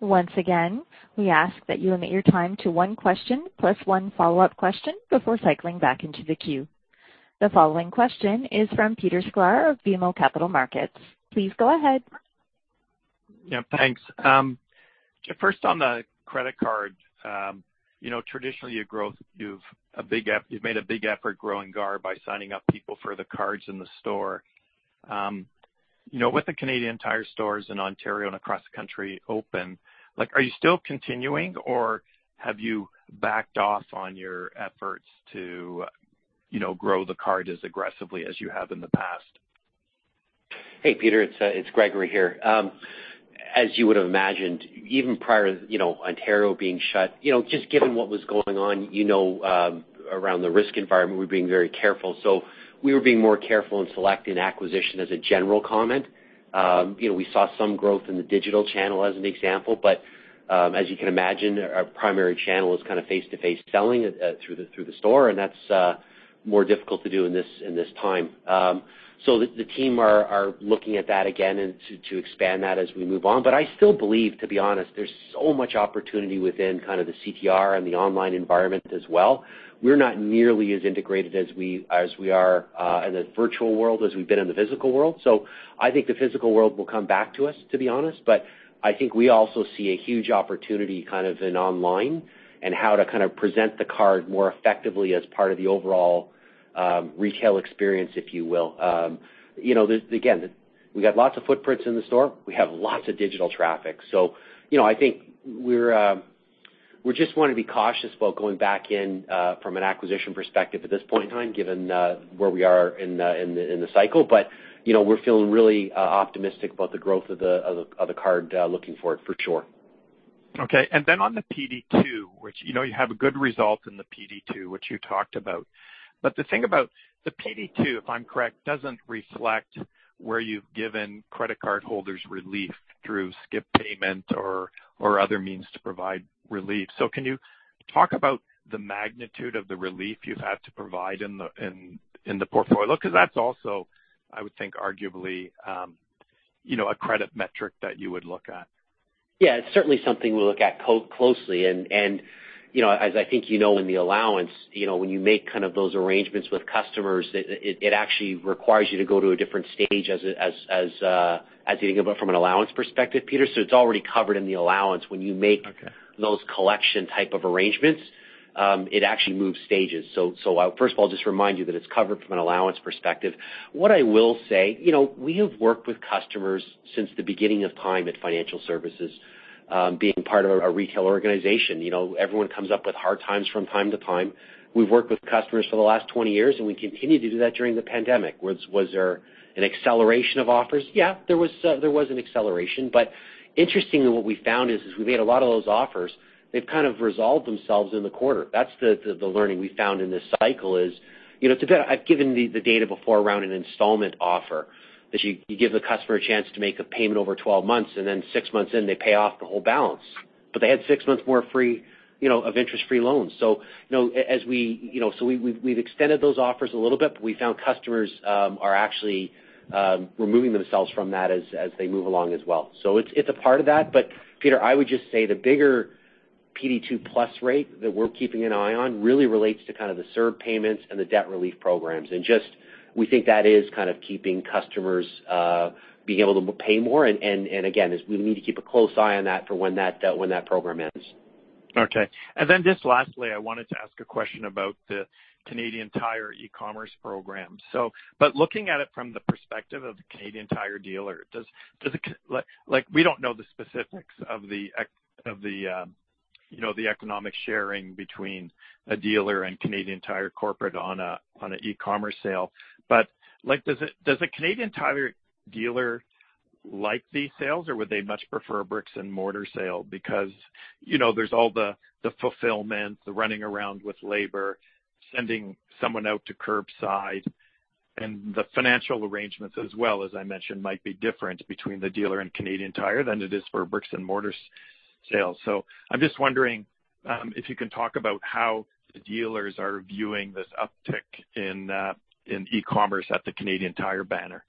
Once again, we ask that you limit your time to one question plus one follow-up question before cycling back into the queue. The following question is from Peter Sklar of BMO Capital Markets. Please go ahead. Yeah, thanks. First on the credit card, you know, traditionally, you've made a big effort growing GAR by signing up people for the cards in the store. You know, with the Canadian Tire stores in Ontario and across the country open, like, are you still continuing, or have you backed off on your efforts to, you know, grow the card as aggressively as you have in the past? Hey, Peter, it's Gregory here. As you would have imagined, even prior, you know, Ontario being shut, you know, just given what was going on, you know, around the risk environment, we're being very careful. So we were being more careful in select and acquisition as a general comment. You know, we saw some growth in the digital channel as an example, but, as you can imagine, our primary channel is kind of face-to-face selling through the store, and that's more difficult to do in this time. So the team are looking at that again and to expand that as we move on. But I still believe, to be honest, there's so much opportunity within kind of the CTR and the online environment as well. We're not nearly as integrated as we are in the virtual world as we've been in the physical world. So I think the physical world will come back to us, to be honest. But I think we also see a huge opportunity kind of in online and how to kind of present the card more effectively as part of the overall retail experience, if you will. You know, this, again, we got lots of footprints in the store. We have lots of digital traffic. So, you know, I think we just want to be cautious about going back in from an acquisition perspective at this point in time, given where we are in the cycle. You know, we're feeling really optimistic about the growth of the card looking forward, for sure. Okay, and then on the PD2, which, you know, you have a good result in the PD2, which you talked about. But the thing about the PD2, if I'm correct, doesn't reflect where you've given credit card holders relief through skip payment or other means to provide relief. So can you talk about the magnitude of the relief you've had to provide in the portfolio? Because that's also, I would think, arguably, you know, a credit metric that you would look at. Yeah, it's certainly something we look at closely. And, you know, as I think you know, in the allowance, you know, when you make kind of those arrangements with customers, it actually requires you to go to a different stage as you think about from an allowance perspective, Peter. So it's already covered in the allowance. When you make- Okay. -those collection type of arrangements, it actually moves stages. So, I'll, first of all, just remind you that it's covered from an allowance perspective. What I will say, you know, we have worked with customers since the beginning of time at Financial Services, being part of a retail organization. You know, everyone comes up with hard times from time to time. We've worked with customers for the last 20 years, and we continue to do that during the pandemic. Was there an acceleration of offers? Yeah, there was an acceleration. But interestingly, what we found is, as we made a lot of those offers, they've kind of resolved themselves in the quarter. That's the learning we found in this cycle is, you know, today I've given the data before around an installment offer, that you give the customer a chance to make a payment over 12 months, and then six months in, they pay off the whole balance. But they had six months more free, you know, of interest-free loans. So, you know, as we, you know, so we've extended those offers a little bit, but we found customers are actually removing themselves from that as they move along as well. So it's a part of that. But Peter, I would just say the bigger PD2+ rate that we're keeping an eye on really relates to kind of the CERB payments and the debt relief programs. And just, we think that is kind of keeping customers being able to pay more, and again, we need to keep a close eye on that for when that program ends. Okay. And then just lastly, I wanted to ask a question about the Canadian Tire e-commerce program. So but looking at it from the perspective of the Canadian Tire dealer, does it like, we don't know the specifics of the economic sharing between a dealer and Canadian Tire corporate on a e-commerce sale. But like, does a Canadian Tire dealer like these sales, or would they much prefer a bricks-and-mortar sale? Because, you know, there's all the fulfillment, the running around with labor, sending someone out to curbside, and the financial arrangements as well, as I mentioned, might be different between the dealer and Canadian Tire than it is for a bricks-and-mortars sale. I'm just wondering if you can talk about how the dealers are viewing this uptick in e-commerce at the Canadian Tire banner?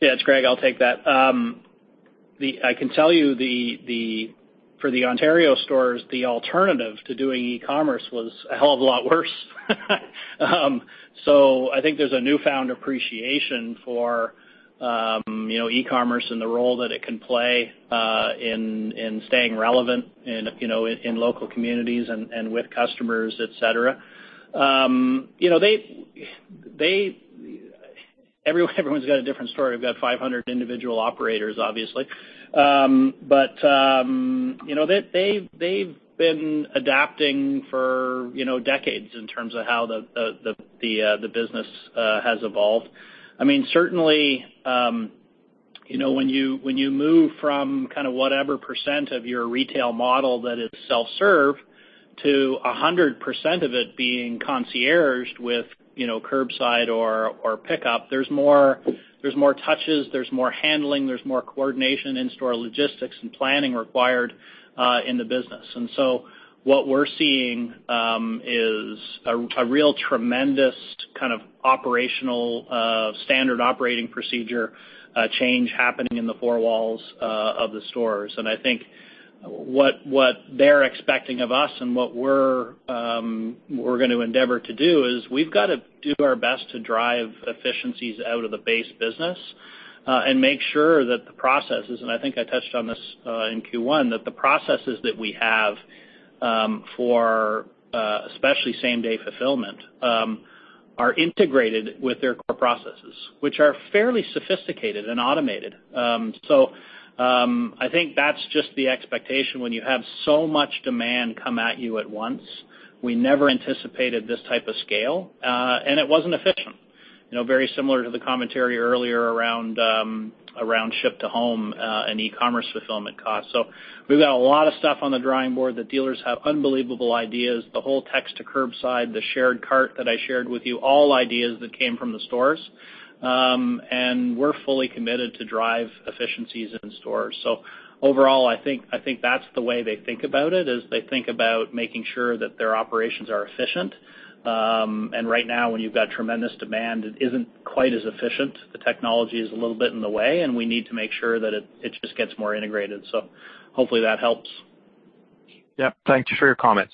Yeah, it's Greg, I'll take that. I can tell you that for the Ontario stores, the alternative to doing e-commerce was a hell of a lot worse. So I think there's a newfound appreciation for, you know, e-commerce and the role that it can play, in staying relevant in, you know, in local communities and with customers, et cetera. You know, they – everyone, everyone's got a different story. We've got 500 individual operators, obviously. But, you know, they've been adapting for, you know, decades in terms of how the business has evolved. I mean, certainly, you know, when you, when you move from kind of whatever % of your retail model that is self-serve to 100% of it being concierged with, you know, curbside or, or pickup, there's more, there's more touches, there's more handling, there's more coordination in store logistics and planning required, in the business. And so what we're seeing, is a real tremendous kind of operational, standard operating procedure, change happening in the four walls, of the stores. I think what they're expecting of us and what we're going to endeavor to do is we've got to do our best to drive efficiencies out of the base business, and make sure that the processes, and I think I touched on this in Q1, that the processes that we have for, especially same-day fulfillment, are integrated with their core processes, which are fairly sophisticated and automated. So I think that's just the expectation when you have so much demand come at you at once. We never anticipated this type of scale, and it wasn't efficient. You know, very similar to the commentary earlier around ship to home and e-commerce fulfillment costs. So we've got a lot of stuff on the drawing board. The dealers have unbelievable ideas. The whole text to curbside, the shared cart that I shared with you, all ideas that came from the stores. We're fully committed to drive efficiencies in stores. So overall, I think, I think that's the way they think about it, is they think about making sure that their operations are efficient. Right now, when you've got tremendous demand, it isn't quite as efficient. The technology is a little bit in the way, and we need to make sure that it just gets more integrated. So hopefully that helps. Yep. Thank you for your comments.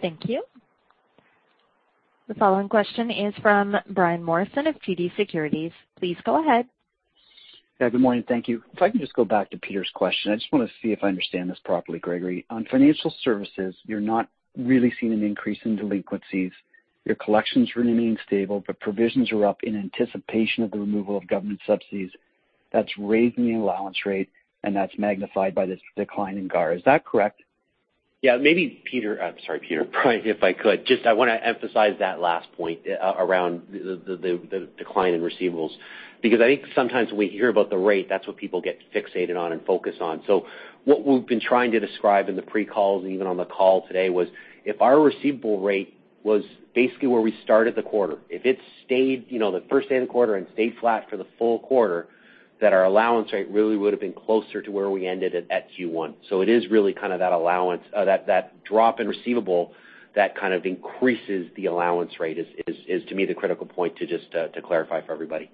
Thank you. The following question is from Brian Morrison of TD Securities. Please go ahead. Yeah, good morning. Thank you. If I can just go back to Peter's question, I just want to see if I understand this properly, Gregory. On financial services, you're not really seeing an increase in delinquencies. Your collections remain stable, but provisions are up in anticipation of the removal of government subsidies. That's raising the allowance rate, and that's magnified by this decline in GAR. Is that correct? Yeah, maybe Peter, sorry, Peter, Brian, if I could just I want to emphasize that last point, around the decline in receivables, because I think sometimes when we hear about the rate, that's what people get fixated on and focus on. So what we've been trying to describe in the pre-calls and even on the call today, was if our receivable rate was basically where we started the quarter, if it stayed, you know, the first end of the quarter and stayed flat for the full quarter, that our allowance rate really would have been closer to where we ended it at Q1. So it is really kind of that allowance, that drop in receivable that kind of increases the allowance rate is, to me, the critical point to just, to clarify for everybody.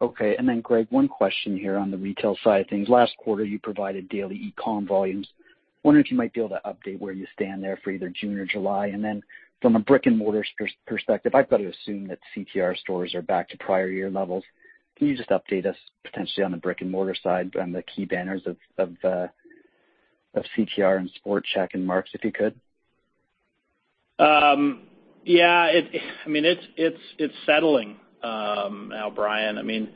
Okay. And then, Greg, one question here on the retail side of things. Last quarter, you provided daily e-com volumes. I wonder if you might be able to update where you stand there for either June or July? And then from a brick-and-mortar perspective, I've got to assume that CTR stores are back to prior year levels. Can you just update us potentially on the brick-and-mortar side, on the key banners of CTR and Sport Chek and Mark's, if you could? Yeah, it, I mean, it's settling now, Brian. I mean,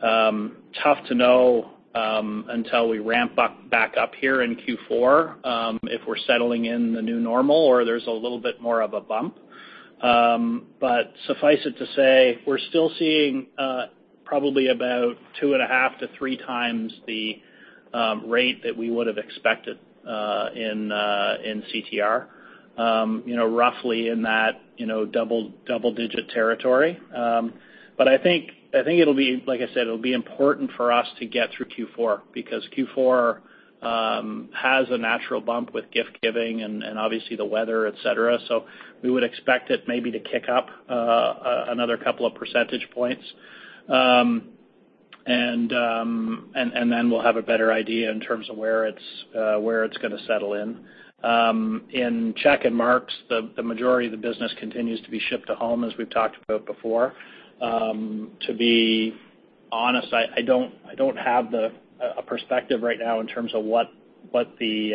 tough to know until we ramp up back up here in Q4 if we're settling in the new normal or there's a little bit more of a bump. But suffice it to say, we're still seeing probably about 2.5 to 3 times the rate that we would have expected in CTR. You know, roughly in that double digit territory. But I think it'll be like I said, it'll be important for us to get through Q4, because Q4 has a natural bump with gift giving and obviously the weather, et cetera. So we would expect it maybe to kick up another couple of percentage points. And then we'll have a better idea in terms of where it's gonna settle in. In Chek and Mark's, the majority of the business continues to be shipped to home, as we've talked about before. To be honest, I don't have a perspective right now in terms of what the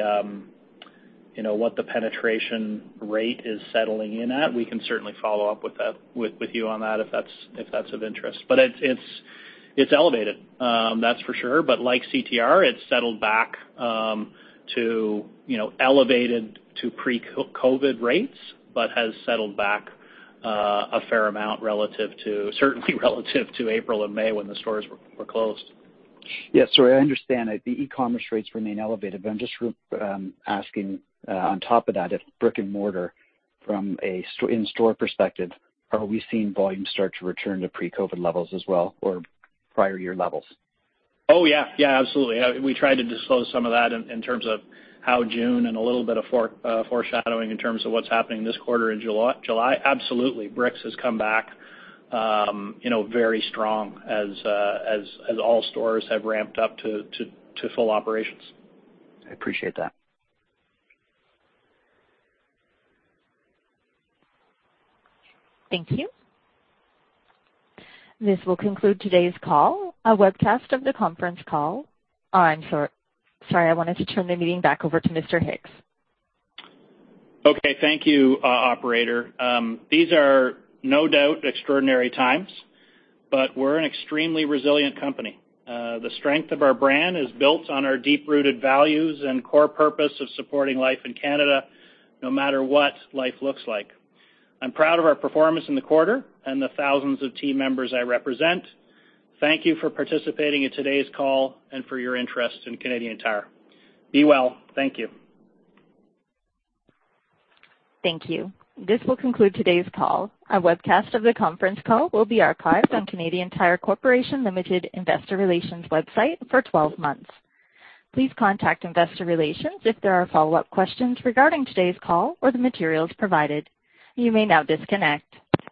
you know what the penetration rate is settling in at. We can certainly follow up with that with you on that, if that's of interest. But it's elevated, that's for sure. But like CTR, it's settled back to you know elevated to pre-COVID rates, but has settled back a fair amount relative to certainly relative to April and May, when the stores were closed. Yeah. So I understand that the e-commerce rates remain elevated, but I'm just asking on top of that, if brick-and-mortar from an in-store perspective, are we seeing volumes start to return to pre-COVID levels as well, or prior year levels? Oh, yeah. Yeah, absolutely. We tried to disclose some of that in terms of how June and a little bit of foreshadowing in terms of what's happening this quarter in July, July. Absolutely, bricks has come back, you know, very strong as all stores have ramped up to full operations. I appreciate that. Thank you. This will conclude today's call. A webcast of the conference call... I'm sorry, I wanted to turn the meeting back over to Mr. Hicks. Okay, thank you, operator. These are no doubt extraordinary times, but we're an extremely resilient company. The strength of our brand is built on our deep-rooted values and core purpose of supporting life in Canada, no matter what life looks like. I'm proud of our performance in the quarter and the thousands of team members I represent. Thank you for participating in today's call and for your interest in Canadian Tire. Be well. Thank you. Thank you. This will conclude today's call. A webcast of the conference call will be archived on Canadian Tire Corporation, Limited Investor Relations website for 12 months. Please contact investor relations if there are follow-up questions regarding today's call or the materials provided. You may now disconnect.